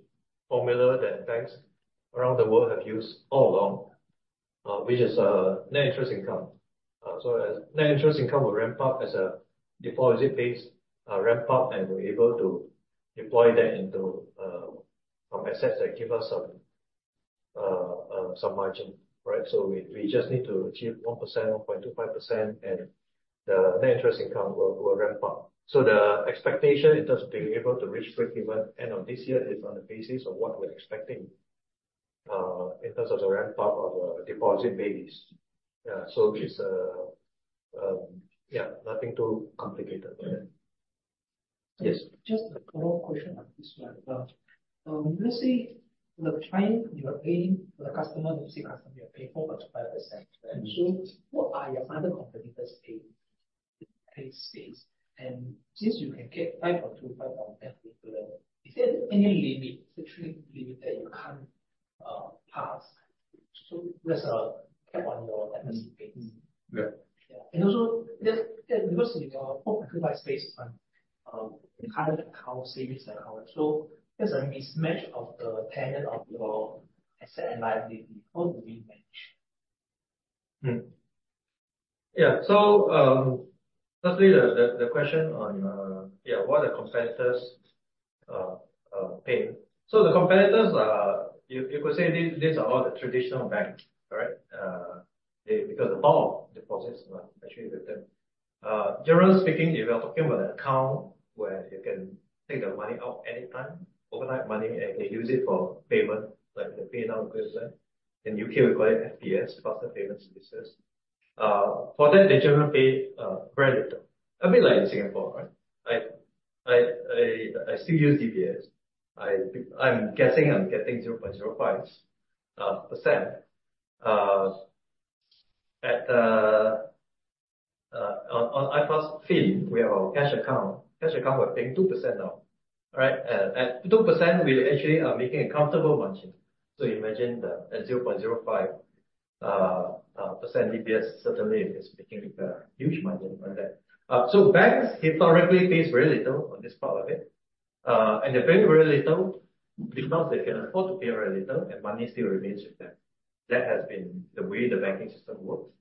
formula that banks around the world have used all along, which is net interest income. So net interest income will ramp up as a deposit-based ramp-up. And we're able to deploy that into some assets that give us some margin, right? So we just need to achieve 1%, 1.25%. And the net interest income will ramp up. So the expectation in terms of being able to reach break-even end of this year is on the basis of what we're expecting in terms of the ramp-up of the deposit base. So it's, yeah, nothing too complicated. Yes. Just a follow-up question on this one. Let's say the rate you're paying for the customer, the fixed customer, you're paying 4.5%, right? So what are your other competitors' payout rates? And since you can get 5.2%, 5.5%, is there any limit, essentially limit, that you can't pass? So that's a cap on your capacity base. Yeah. And also because you are all focused on your current account, savings account, so there's a mismatch of the tenure of your asset and liability. How do we manage? Yeah. So firstly, the question on, yeah, what are the competitors' payout rates? So the competitors, you could say these are all the traditional banks, right, because the power of deposits are actually with them. Generally speaking, if you're talking about an account where you can take the money out anytime, overnight money, and you can use it for payment, like you're paying out a bond plan, in the UK, we call it FPS, Faster Payments Services. For that, they generally pay very little, a bit like in Singapore, right? I still use DBS. I'm guessing I'm getting 0.05%. On iFAST Financial, we have our cash account. Cash account, we're paying 2% now, right? At 2%, we actually are making a comfortable margin. So imagine that at 0.05% DBS, certainly, it's making a huge margin on that. So banks historically pay very little on this part of it. And they pay very little because they can afford to pay very little. Money still remains with them. That has been the way the banking system works.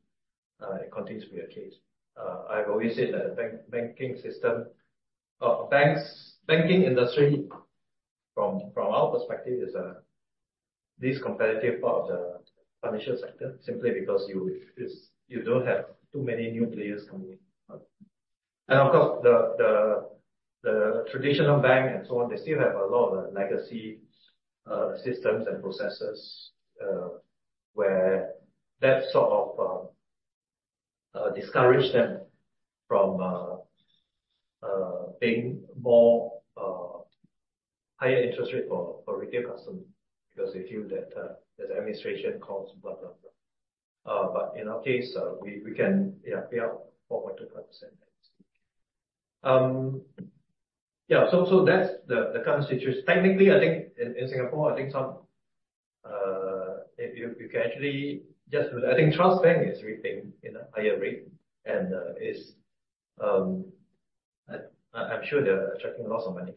It continues to be the case. I've always said that the banking system or banking industry, from our perspective, is this competitive part of the financial sector simply because you don't have too many new players coming in. And of course, the traditional bank and so on, they still have a lot of legacy systems and processes where that sort of discourages them from paying higher interest rate for retail customers because they feel that there's administration costs, blah, blah, blah. But in our case, we can, yeah, pay out 4.25%. Yeah. So that's the current situation. Technically, I think in Singapore, I think you can actually just I think Trust Bank is retailing at a higher rate. And I'm sure they're attracting lots of money.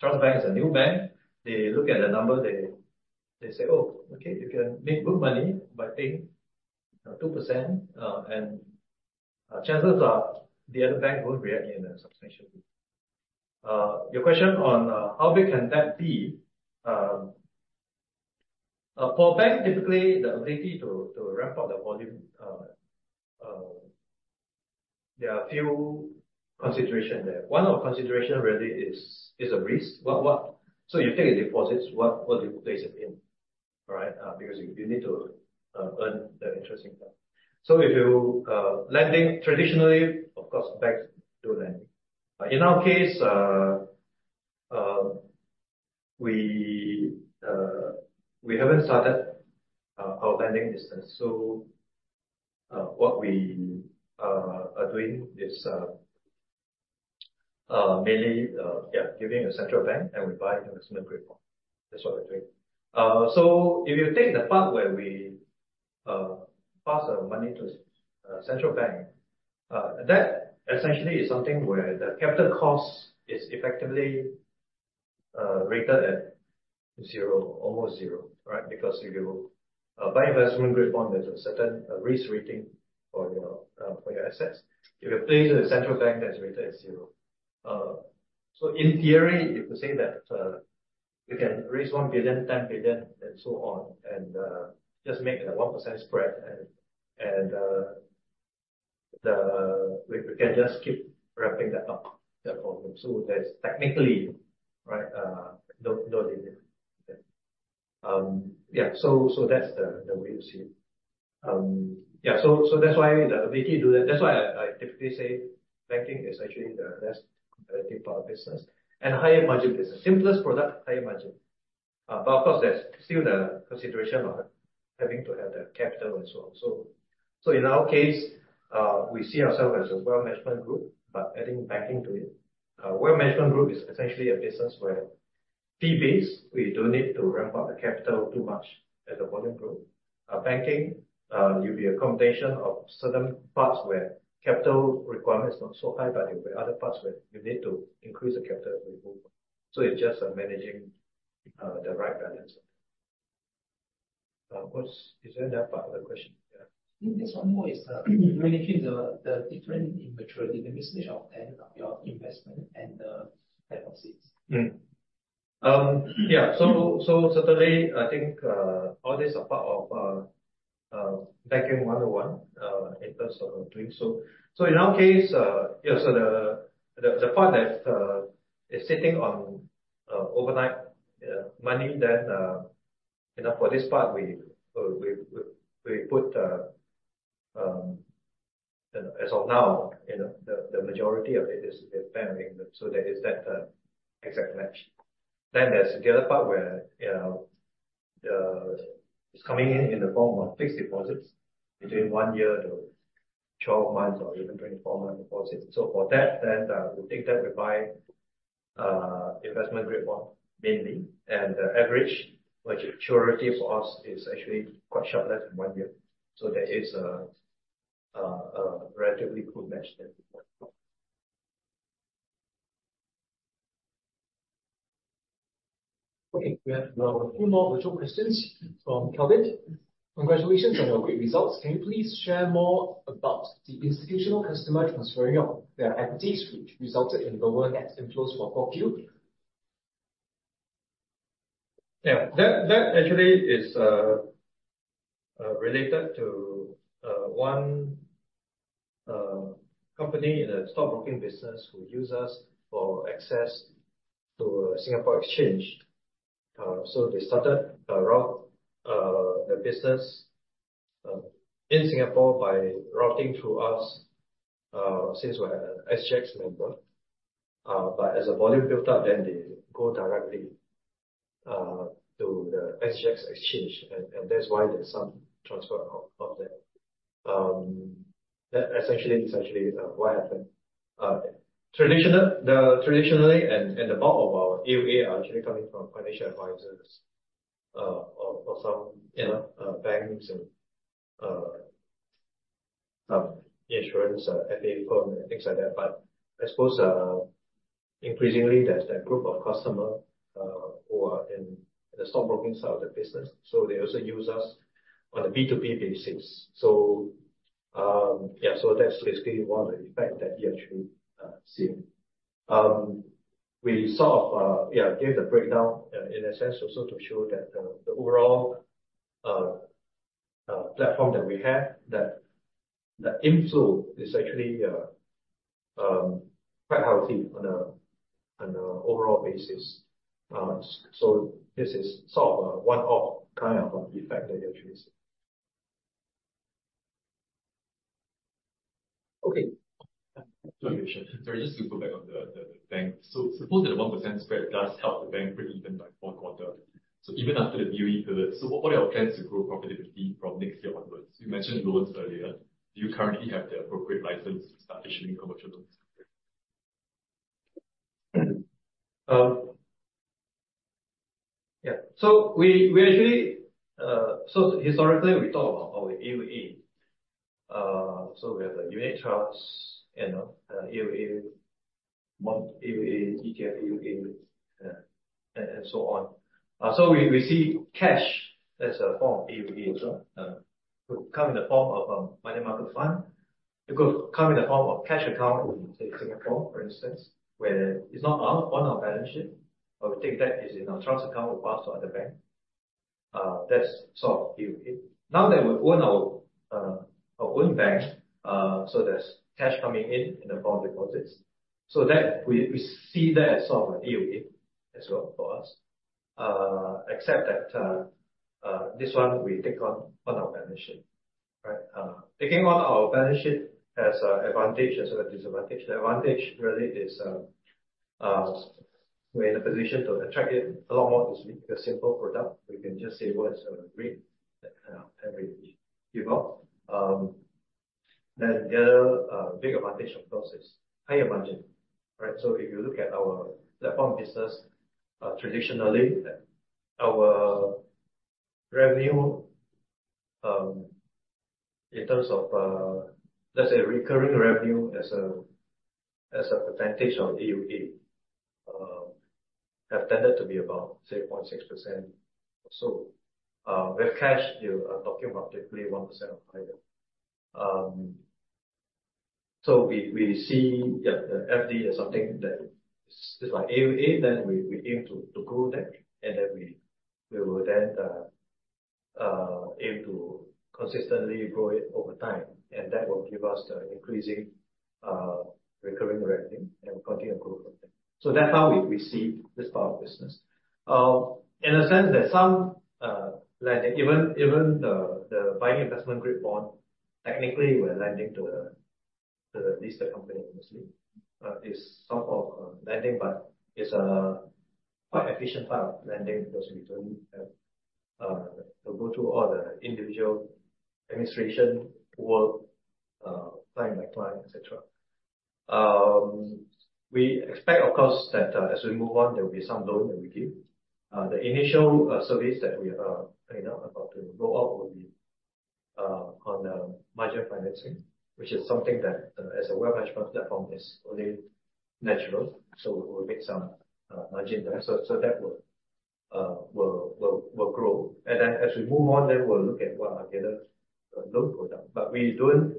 Trust Bank is a new bank. They look at the number. They say, "Oh, okay. You can make good money by paying 2%." And chances are the other banks won't react in a substantial way. Your question on how big can that be? For a bank, typically, the ability to ramp up the volume, there are a few considerations there. One of the considerations, really, is a risk. So you take a deposit. What do you place it in, right, because you need to earn the interest income? So if you're lending, traditionally, of course, banks do lending. In our case, we haven't started our lending business. So what we are doing is mainly, yeah, depositing with the Bank of England. And we buy investment grade bonds. That's what we're doing. So if you take the part where we pass the money to a central bank, that essentially is something where the capital cost is effectively rated at zero, almost zero, right, because if you buy investment-grade bonds, there's a certain risk rating for your assets. If you place it in a central bank, that's rated at zero. So in theory, you could say that you can raise 1 billion, 10 billion, and so on and just make a 1% spread. And we can just keep ramping that up, that volume. So there's technically, right, no limit. Yeah. So that's the way you see it. Yeah. So that's why the ability to do that. That's why I typically say banking is actually the less competitive part of business and higher margin business, simplest product, higher margin. But of course, there's still the consideration of having to have the capital as well. So in our case, we see ourselves as a wealth management group. But adding banking to it, wealth management group is essentially a business where fee-based, we don't need to ramp up the capital too much as the volume grows. Banking, you'll be accommodating certain parts where capital requirement is not so high. But there'll be other parts where you need to increase the capital to improve. So it's just managing the right balance. Is there any other part of the question? Yeah. I think this one more is managing the different maturity, the mismatch of tenure of your investment and the deposits. Yeah. So certainly, I think all this is a part of banking 101 in terms of doing so. So in our case, yeah, the part that is sitting on overnight money, then for this part, we put—as of now—the majority of it is with bank. So there is that exact match. Then there's the other part where it's coming in in the form of fixed deposits between 1 year to 12 months or even 24-month deposits. So for that, then we take that. We buy investment-grade bonds mainly. And the average maturity for us is actually quite short, less than 1 year. So there is a relatively good match there. Okay. We have now a few more virtual questions from Calvin. Congratulations on your great results. Can you please share more about the institutional customer transferring off their equities, which resulted in lower net inflows for 4Q? Yeah. That actually is related to one company in the stockbroking business who uses us for access to Singapore Exchange. So they started the business in Singapore by routing through us since we're an SGX member. But as the volume built up, then they go directly to the SGX. And that's why there's some transfer of that. Essentially, it's actually what happened. Traditionally, the bulk of our AUA are actually coming from financial advisors or some banks and insurance, FA firm, and things like that. But I suppose, increasingly, there's that group of customers who are in the stockbroking side of the business. So they also use us on a B2B basis. So yeah. So that's basically one of the effects that we actually see. We sort of, yeah, gave the breakdown, in a sense, also to show that the overall platform that we have, that inflow is actually quite healthy on an overall basis. So this is sort of a one-off kind of effect that you're actually seeing. Okay. Sorry, just to go back on the bank. So suppose that the 1% spread does help the bank break even by fourth quarter. So even after the BOE pivot, so what are your plans to grow profitability from next year onwards? You mentioned loans earlier. Do you currently have the appropriate license to start issuing commercial loans? Yeah. So we actually historically, we talk about our AUA. So we have the unit trust, AUA, ETF AUA, and so on. So we see cash as a form of AUA as well. It could come in the form of a money market fund. It could come in the form of a cash account in, say, Singapore, for instance, where it's not on our balance sheet. But we take that as in our trust account. We pass to other banks. That's sort of AUA. Now that we own our own bank, so there's cash coming in in the form of deposits, so we see that as sort of an AUA as well for us, except that this one, we take on our balance sheet, right? Taking on our balance sheet has advantages and disadvantages. The advantage, really, is we're in a position to attract it a lot more easily because simple product. We can just say, "Well, it's a great average give out." Then the other big advantage, of course, is higher margin, right? So if you look at our platform business, traditionally, our revenue in terms of, let's say, recurring revenue as a percentage of AUA have tended to be about, say, 0.6% or so. With cash, you are talking about typically 1% or higher. So we see, yeah, the FD is something that it's like AUA. Then we aim to grow that. And then we will then aim to consistently grow it over time. And that will give us the increasing recurring revenue. And we continue to grow from there. So that's how we see this part of business. In a sense, there's some lending. Even the buying investment products, technically, we're lending to at least the company, mostly, is sort of lending. But it's a quite efficient part of lending because we don't have to go through all the individual administration work client by client, etc. We expect, of course, that as we move on, there will be some loan that we give. The initial service that we are talking about to roll out will be on margin financing, which is something that, as a wealth management platform, is only natural. So we'll make some margin there. So that will grow. And then as we move on, then we'll look at what are the other loan products. But we don't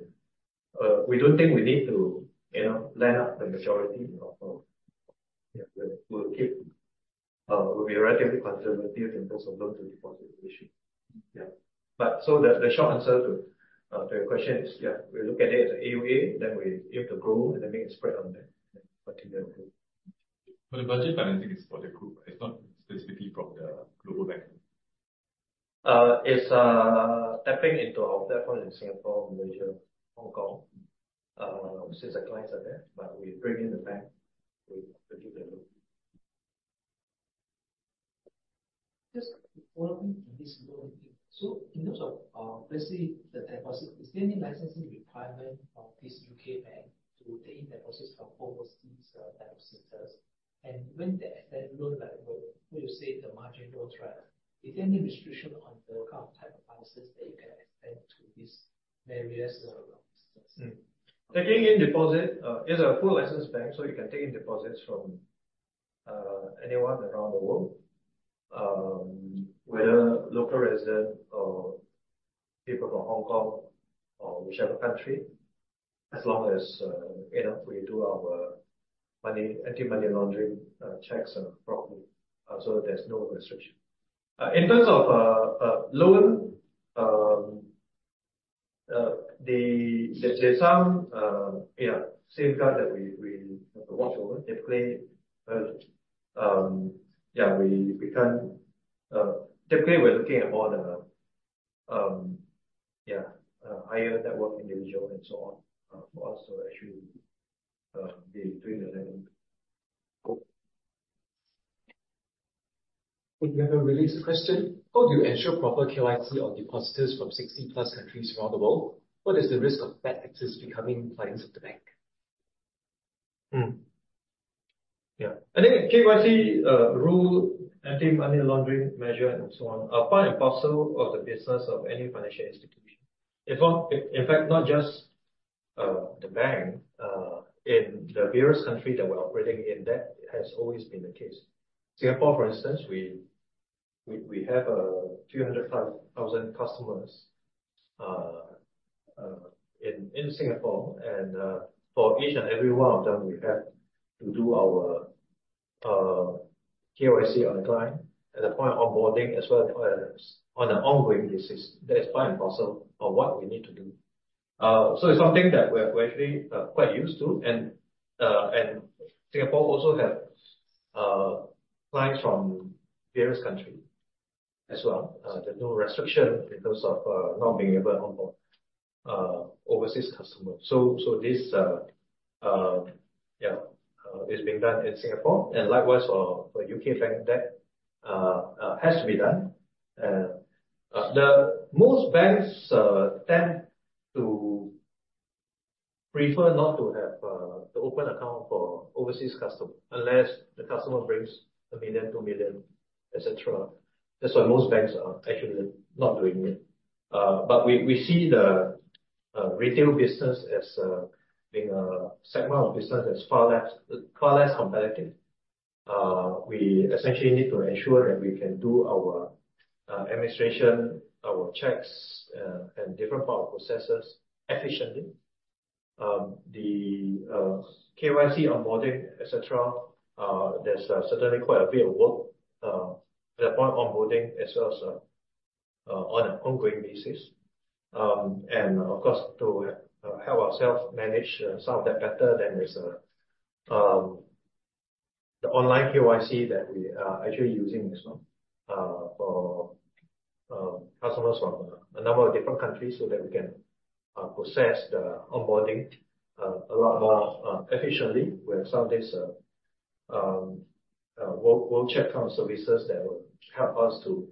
think we need to lend out the majority of our yeah. We'll keep we'll be relatively conservative in terms of loan-to-deposit ratio. Yeah. So the short answer to your question is, yeah, we look at it as an AUA. Then we aim to grow and then make a spread on that and continue to grow. For the margin financing, it's for the group. It's not specifically from the global bank. It's tapping into our platform in Singapore, Malaysia, Hong Kong since the clients are there. But we bring in the bank. We give the loan. Just following this loan thing. So in terms of, let's say, the deposit, is there any licensing requirement of this U.K. bank to take in deposits from overseas depositors? And when they extend loan liability, would you say the margin goes right? Is there any restriction on the kind of type of license that you can extend to these various businesses? Taking in deposit, it's a full-licensed bank. So you can take in deposits from anyone around the world, whether local resident or people from Hong Kong or whichever country, as long as we do our anti-money laundering checks properly. So there's no restriction. In terms of loan, there's some, yeah, safeguards that we have to watch over. Typically, yeah, we're looking at all the, yeah, high-net-worth individuals and so on for us to actually be doing the lending. Cool. Could you have a released question? Could you ensure proper KYC on depositors from 60+ countries around the world? What is the risk of bad actors becoming clients of the bank? Yeah. I think KYC rule, anti-money laundering measure, and so on are part and parcel of the business of any financial institution. In fact, not just the bank. In the various countries that we're operating in, that has always been the case. Singapore, for instance, we have a few hundred thousand customers in Singapore. For each and every one of them, we have to do our KYC on the client at the point of onboarding as well as on an ongoing basis. That is part and parcel of what we need to do. So it's something that we're actually quite used to. Singapore also have clients from various countries as well. There's no restriction in terms of not being able to onboard overseas customers. So this, yeah, is being done in Singapore. And likewise, for U.K. bank, that has to be done. The most banks tend to prefer not to have to open account for overseas customers unless the customer brings 1 million, 2 million, etc. That's why most banks are actually not doing it. But we see the retail business as being a segment of business that's far less competitive. We essentially need to ensure that we can do our administration, our checks, and different part of processes efficiently. The KYC onboarding, etc., there's certainly quite a bit of work at the point of onboarding as well as on an ongoing basis. And of course, to help ourselves manage some of that better, there's the online KYC that we are actually using as well for customers from a number of different countries so that we can process the onboarding a lot more efficiently with some of these World-Check One services that will help us to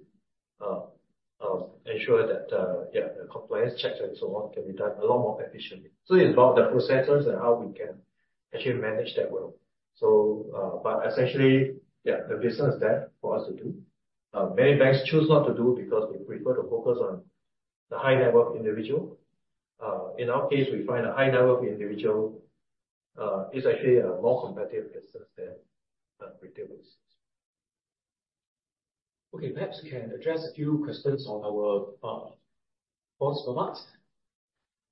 ensure that, yeah, the compliance checks and so on can be done a lot more efficiently. So it's about the processes and how we can actually manage that well. But essentially, yeah, the business is there for us to do. Many banks choose not to do because they prefer to focus on the high-net-worth individual. In our case, we find a high-net-worth individual is actually a more competitive business than a retail business. Okay. Perhaps we can address a few questions on our Bondsupermart.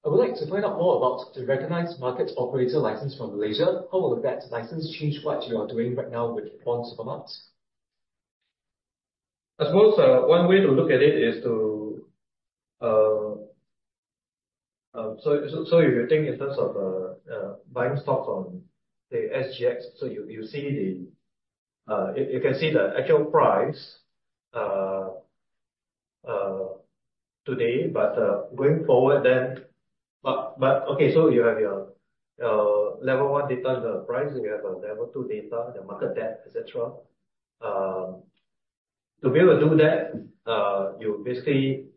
I would like to find out more about the Recognized Market Operator license from Malaysia. How will that license change what you are doing right now with Bondsupermart? I suppose one way to look at it is, so if you think in terms of buying stocks on, say, SGX, so you can see the actual price today. But going forward, okay. So you have your Level 1 data on the price. You have Level 2 data, the market depth, etc. To be able to do that, you basically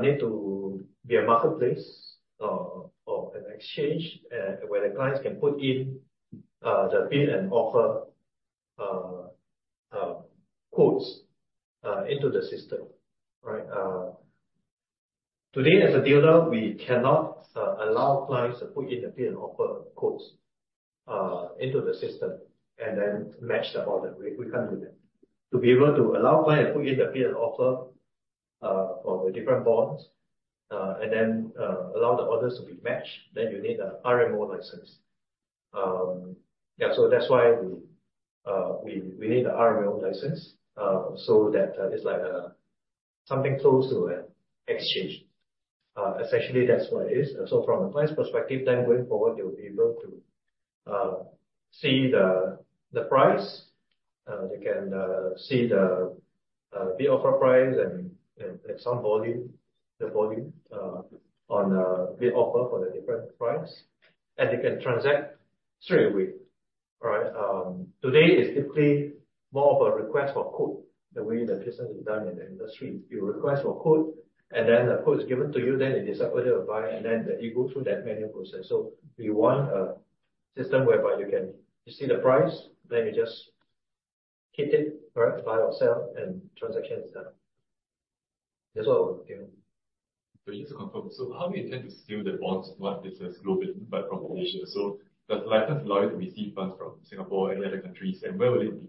need to be a marketplace or an exchange where the clients can put in the bid and offer quotes into the system, right? Today, as a dealer, we cannot allow clients to put in the bid and offer quotes into the system and then match the order. We can't do that. To be able to allow clients to put in the bid and offer for the different bonds and then allow the orders to be matched, then you need an RMO license. Yeah. So that's why we need the RMO license so that it's like something close to an exchange. Essentially, that's what it is. So from the client's perspective, then going forward, they'll be able to see the price. They can see the bid offer price and some volume, the volume on bid offer for the different price. And they can transact straight away, right? Today, it's typically more of a request for quote, the way the business is done in the industry. You request for quote. And then the quote is given to you. Then it decides whether to buy. And then it goes through that manual process. So we want a system whereby you can see the price. Then you just hit it, right, buy or sell, and transaction is done. That's what I would give. So just to confirm, so how do you intend to sell the bonds? Not just iFAST Global, but from Malaysia. So does the license allow you to receive funds from Singapore or any other countries? And where will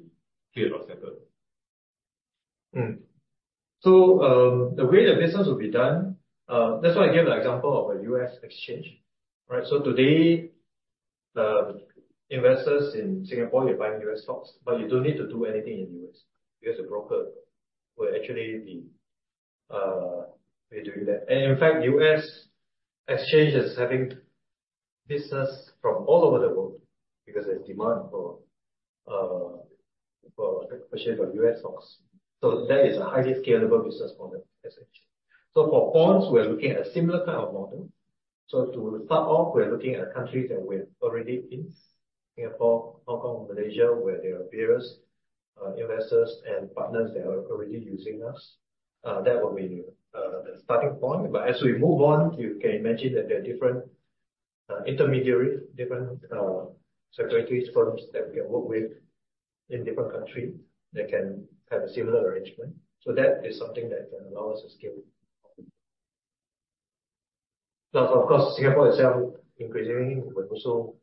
it be cleared or settled? So the way the business will be done, that's why I gave an example of a U.S. exchange, right? So today, investors in Singapore, you're buying U.S. stocks. But you don't need to do anything in the U.S. because the broker will actually be doing that. And in fact, the U.S. exchange is having business from all over the world because there's demand for purchasing U.S. stocks. So that is a highly scalable business model, essentially. So for bonds, we are looking at a similar kind of model. So to start off, we are looking at countries that we have already in, Singapore, Hong Kong, Malaysia, where there are various investors and partners that are already using us. That will be the starting point. But as we move on, you can imagine that there are different intermediaries, different securities firms that we can work with in different countries that can have a similar arrangement. So that is something that can allow us to scale. Plus, of course, Singapore itself, increasingly, we're also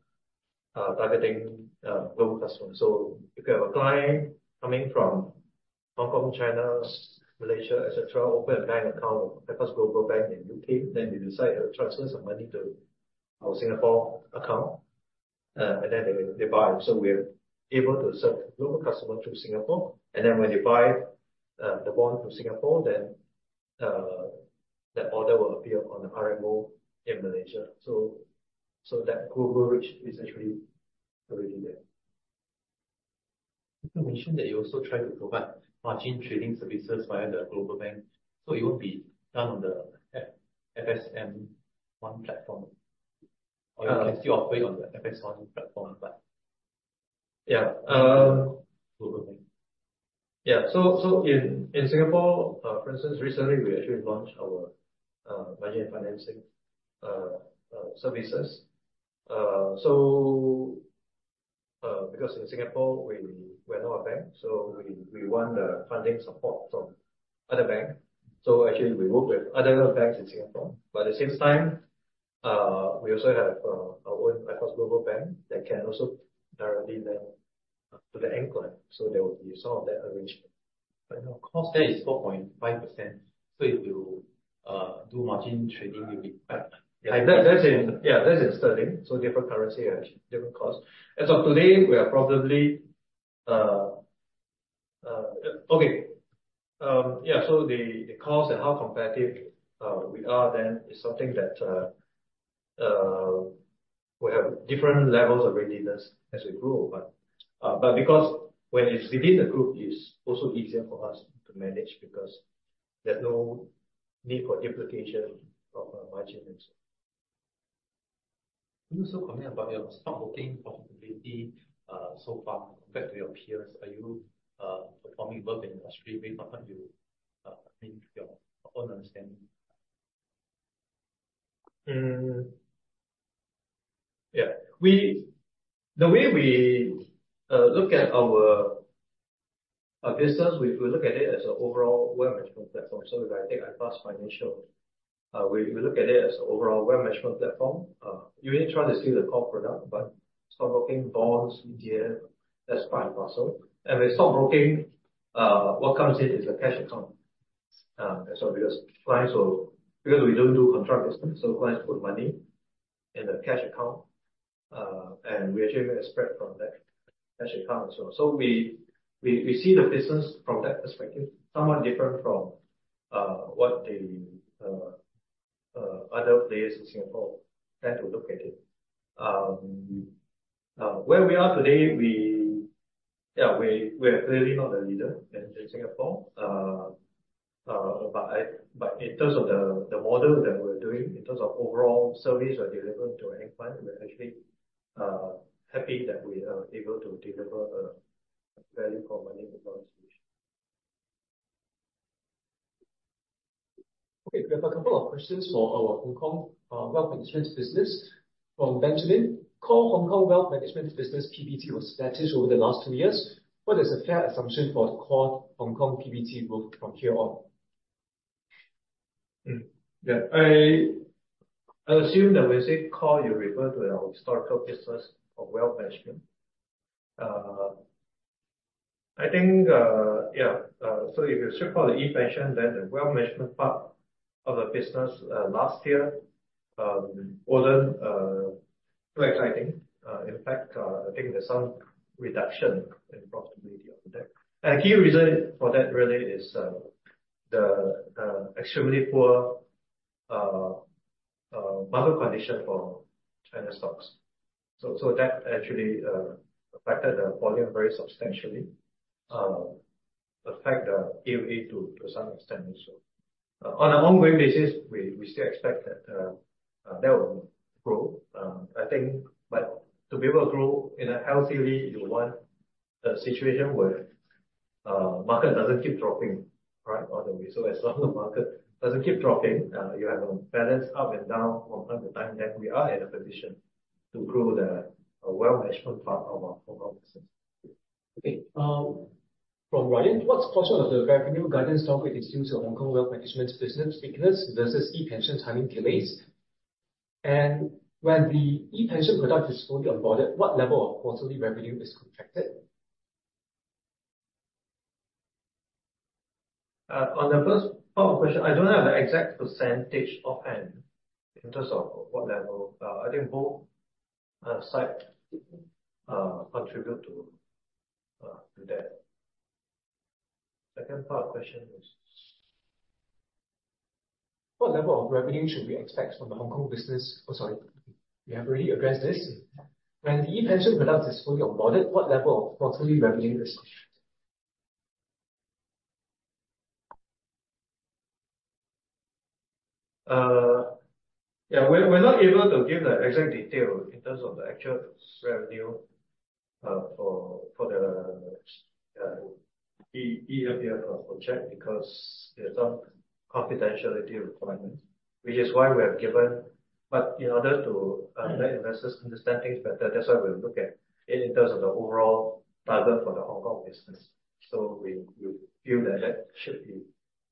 targeting global customers. So if you have a client coming from Hong Kong, China, Malaysia, etc., open a bank account with iFAST Global Bank in the U.K., then they decide to transfer some money to our Singapore account. And then they buy. So we are able to serve global customers through Singapore. Then when they buy the bond through Singapore, then that order will appear on the RMO in Malaysia. So that global reach is actually already there. You mentioned that you also try to provide margin trading services via the global bank. So it won't be done on the FSMOne platform. Or you can still operate on the FSMOne platform, but yeah, global bank. Yeah. So in Singapore, for instance, recently, we actually launched our margin financing services. So because in Singapore, we are not a bank, so we want the funding support from other banks. So actually, we work with other banks in Singapore. But at the same time, we also have our own iFAST Global Bank that can also directly lend to the end client. So there will be some of that arrangement. Right now, cost there is 4.5%. So if you do margin trading, you'll be quite, yeah. That's in sterling. So different currency, different cost. As of today, we are probably okay. Yeah. So the cost and how competitive we are then is something that we have different levels of readiness as we grow. But because when it's within the group, it's also easier for us to manage because there's no need for duplication of margin and so on. Can you also comment about your stockbroking profitability so far compared to your peers? Are you performing well in the industry based on what you mean, your own understanding? Yeah. The way we look at our business, we look at it as an overall wealth management platform. So if I take iFAST Financial, we look at it as an overall wealth management platform. You need to try to steal the core product. Stock broking bonds, ETF, that's part and parcel. And with stockbroking, what comes in is a cash account as well because clients will because we don't do contra business. So clients put money in the cash account. And we actually make a spread from that cash account as well. So we see the business from that perspective, somewhat different from what the other players in Singapore tend to look at it. Where we are today, yeah, we are clearly not the leader in Singapore. But in terms of the model that we're doing, in terms of overall service we're delivering to end clients, we're actually happy that we are able to deliver a value -for-money organization. Okay. We have a couple of questions for our Hong Kong wealth management business from Benjamin. Core Hong Kong wealth management business PBT was static over the last two years. What is a fair assumption for the core Hong Kong PBT group from here on? Yeah. I assume that when you say core, you refer to our historical business of wealth management. I think, yeah, so if you strip out the ePension, then the wealth management part of the business last year wasn't too exciting. In fact, I think there's some reduction in profitability of that. And the key reason for that really is the extremely poor market condition for China stocks. So that actually affected the volume very substantially, affected the AUA to some extent as well. On an ongoing basis, we still expect that that will grow, I think. But to be able to grow healthily, you want a situation where market doesn't keep dropping, right, all the way. So as long as market doesn't keep dropping, you have a balance up and down from time to time, then we are in a position to grow the wealth management part of our Hong Kong business. Okay. From Ryan, what's the question of the revenue guidance target distributed to Hong Kong wealth management business weakness versus ePension timing delays? And when the ePension product is fully onboarded, what level of quarterly revenue is contracted? On the first part of the question, I don't have the exact percentage offhand in terms of what level. I think both sides contribute to that. Second part of the question is., what level of revenue should we expect from the Hong Kong business? Oh, sorry. We have already addressed this. When the ePension product is fully onboarded, what level of quarterly revenue is? Yeah. We're not able to give the exact detail in terms of the actual revenue for the eMPF project because there's some confidentiality requirements, which is why we have given but in order to let investors understand things better, that's why we look at it in terms of the overall target for the Hong Kong business. So we feel that that should be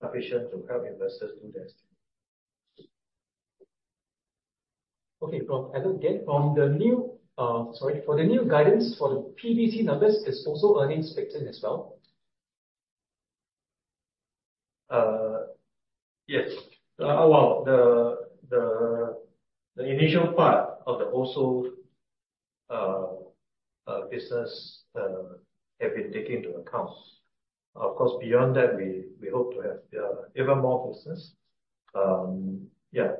sufficient to help investors do their study. Okay. From Adam Pechart from DBS Bank. For the new guidance for the PBT numbers, is also earnings factoring as well? Yes. Well, the initial part of the eMPF business have been taken into account. Of course, beyond that, we hope to have even more business. Yeah.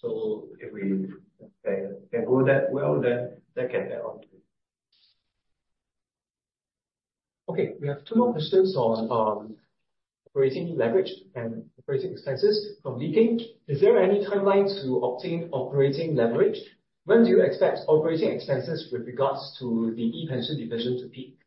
So if we can go that well, then that can add on to it. Okay. We have two more questions on operating leverage and operating expenses from Lee Hui-Ming. Is there any timeline to obtain operating leverage? When do you expect operating expenses with regards to the e-Pension division to peak?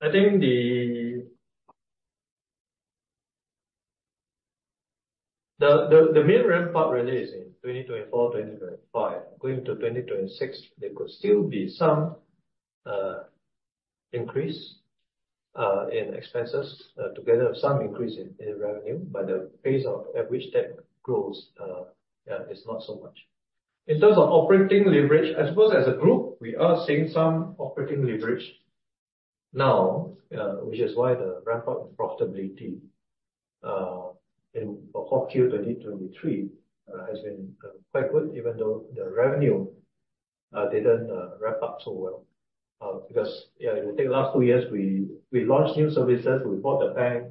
I think the mid-ramp part really is in 2024, 2025. Going to 2026, there could still be some increase in expenses together, some increase in revenue. But the pace at which that grows, yeah, it's not so much. In terms of operating leverage, I suppose as a group, we are seeing some operating leverage now, which is why the ramp-up profitability for Q2023 has been quite good, even though the revenue didn't ramp up so well. Because, yeah, in the last two years, we launched new services. We bought the bank.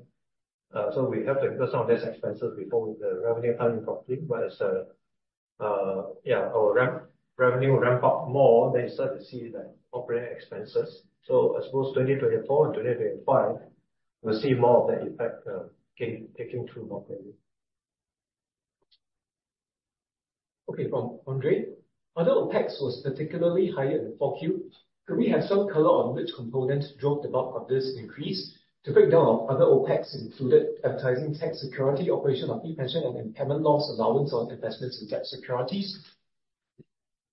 So we have to cover some of those expenses before the revenue timing properly. But as, yeah, our revenue ramp up more, then you start to see the operating expenses. So I suppose 2024 and 2025, we'll see more of that effect coming through market revenue. Okay. From Andrea, other OPEX was particularly higher in the 4Q. Could we have some color on which components drove the bulk of this increase to break down of other OPEX, including advertising, tax, security, operation of ePension, and impairment loss allowance on investments in debt securities?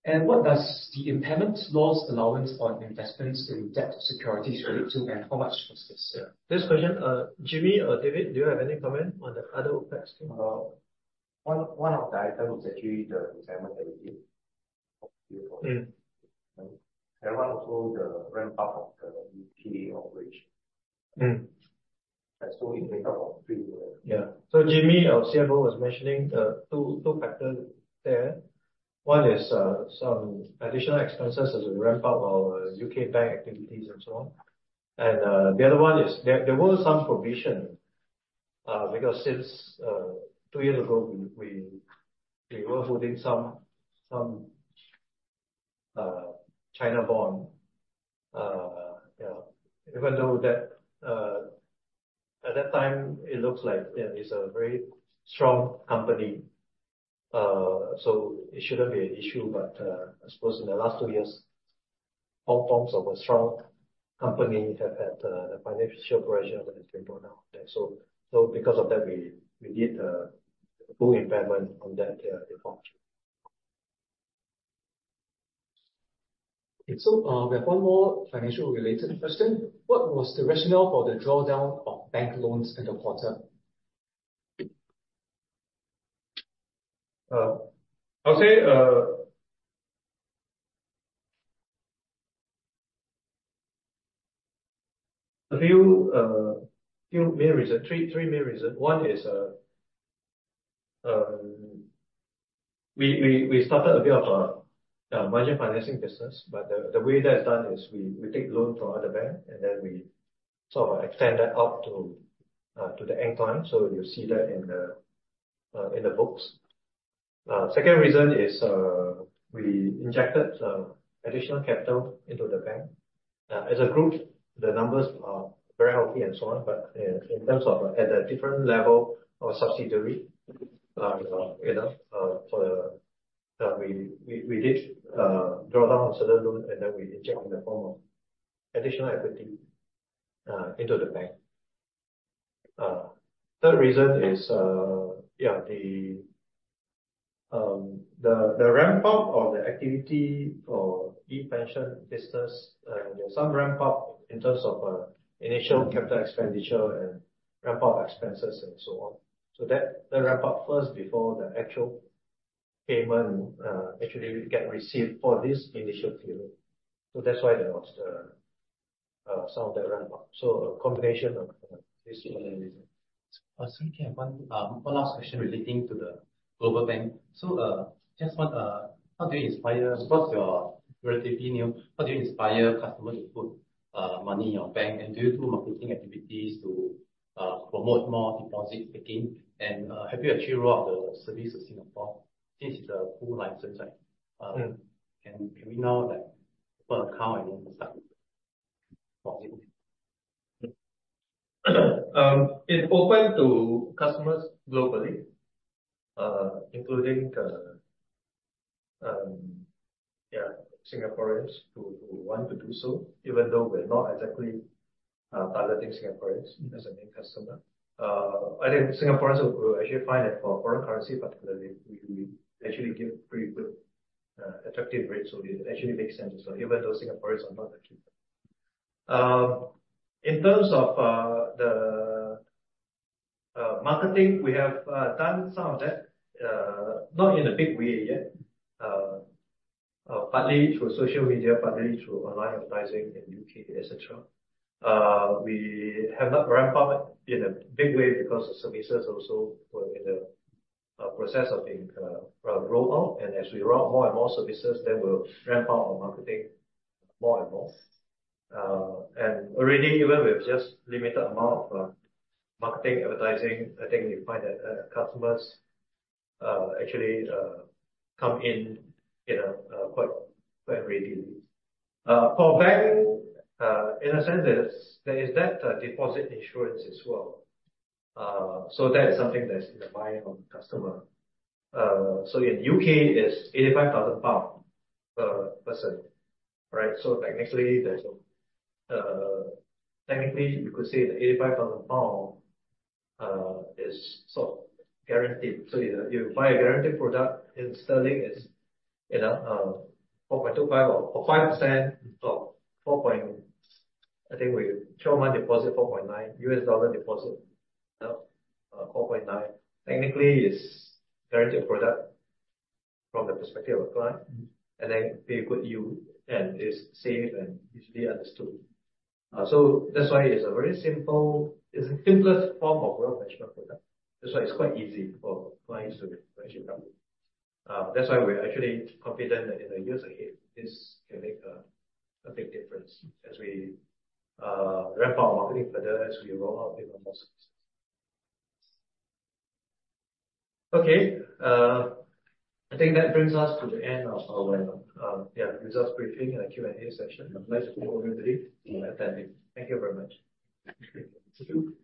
And what does the impairment loss allowance on investments in debt securities relate to, and how much was this? Yeah. This question, Jimmy or David, do you have any comment on the other OPEX thing? One of the items was actually the impairment that we did for Q4. And one also, the ramp-up of the U.K. operation. So in the interval of three years. Yeah. So Jimmy or CFO was mentioning two factors there. One is some additional expenses as a ramp-up of UK bank activities and so on. And the other one is there was some provision because since two years ago, we were holding some China bond. Yeah. Even though at that time, it looks like it's a very strong company, so it shouldn't be an issue. But I suppose in the last two years, all forms of a strong company have had the financial pressure that has been brought down. So because of that, we did a full impairment on that in 4Q. Okay. So we have one more financial-related question. What was the rationale for the drawdown of bank loans in the quarter? I would say a few main reasons, three main reasons. One is we started a bit of a margin financing business. But the way that's done is we take loan from other banks, and then we sort of extend that out to the end client. So you'll see that in the books. Second reason is we injected additional capital into the bank. As a group, the numbers are very healthy and so on. But in terms of at a different level of subsidiary for the we did drawdown on certain loans, and then we injected in the form of additional equity into the bank. Third reason is, yeah, the ramp-up of the activity for ePension business, there's some ramp-up in terms of initial capital expenditure and ramp-up expenses and so on. So the ramp-up first before the actual payment actually gets received for this initial period. So that's why there was some of that ramp-up. So a combination of these reasons. Sorry, Ken, one last question relating to the global bank. So, just want to how do you inspire because you are relatively new. How do you inspire customers to put money in your bank? And do you do marketing activities to promote more deposit taking? And have you actually rolled out the service in Singapore since it's a full license, right? Can we now open an account and then start depositing? It's open to customers globally, including, yeah, Singaporeans who want to do so, even though we're not exactly targeting Singaporeans as a main customer. I think Singaporeans will actually find that for foreign currency, particularly, we actually give pretty good, attractive rates. So it actually makes sense as well, even though Singaporeans are not that keen. In terms of the marketing, we have done some of that, not in a big way yet, partly through social media, partly through online advertising in the U.K., etc. We have not ramped up in a big way because the services also were in the process of being rolled out. As we roll out more and more services, then we'll ramp up our marketing more and more. And already, even with just a limited amount of marketing advertising, I think you find that customers actually come in quite readily. For banking, in a sense, there is that deposit insurance as well. So that is something that's in the mind of the customer. So in the U.K., it's 85,000 pounds per person, right? So technically, there's no technically, you could say the 85,000 pound is sort of guaranteed. So you buy a guaranteed product in sterling, it's 4.25% or 5% or 4%. I think with 12-month deposit, 4.9%, U.S. dollar deposit, 4.9%. Technically, it's a guaranteed product from the perspective of a client and then pay good yield and is safe and easily understood. So that's why it's a very simple. It's the simplest form of wealth management product. That's why it's quite easy for clients to actually come in. That's why we're actually confident that in the years ahead, this can make a big difference as we ramp up our marketing further, as we roll out even more services. Okay. I think that brings us to the end of our, yeah, results briefing and Q&A session. I'd like to thank everybody for attending. Thank you very much. Thank you.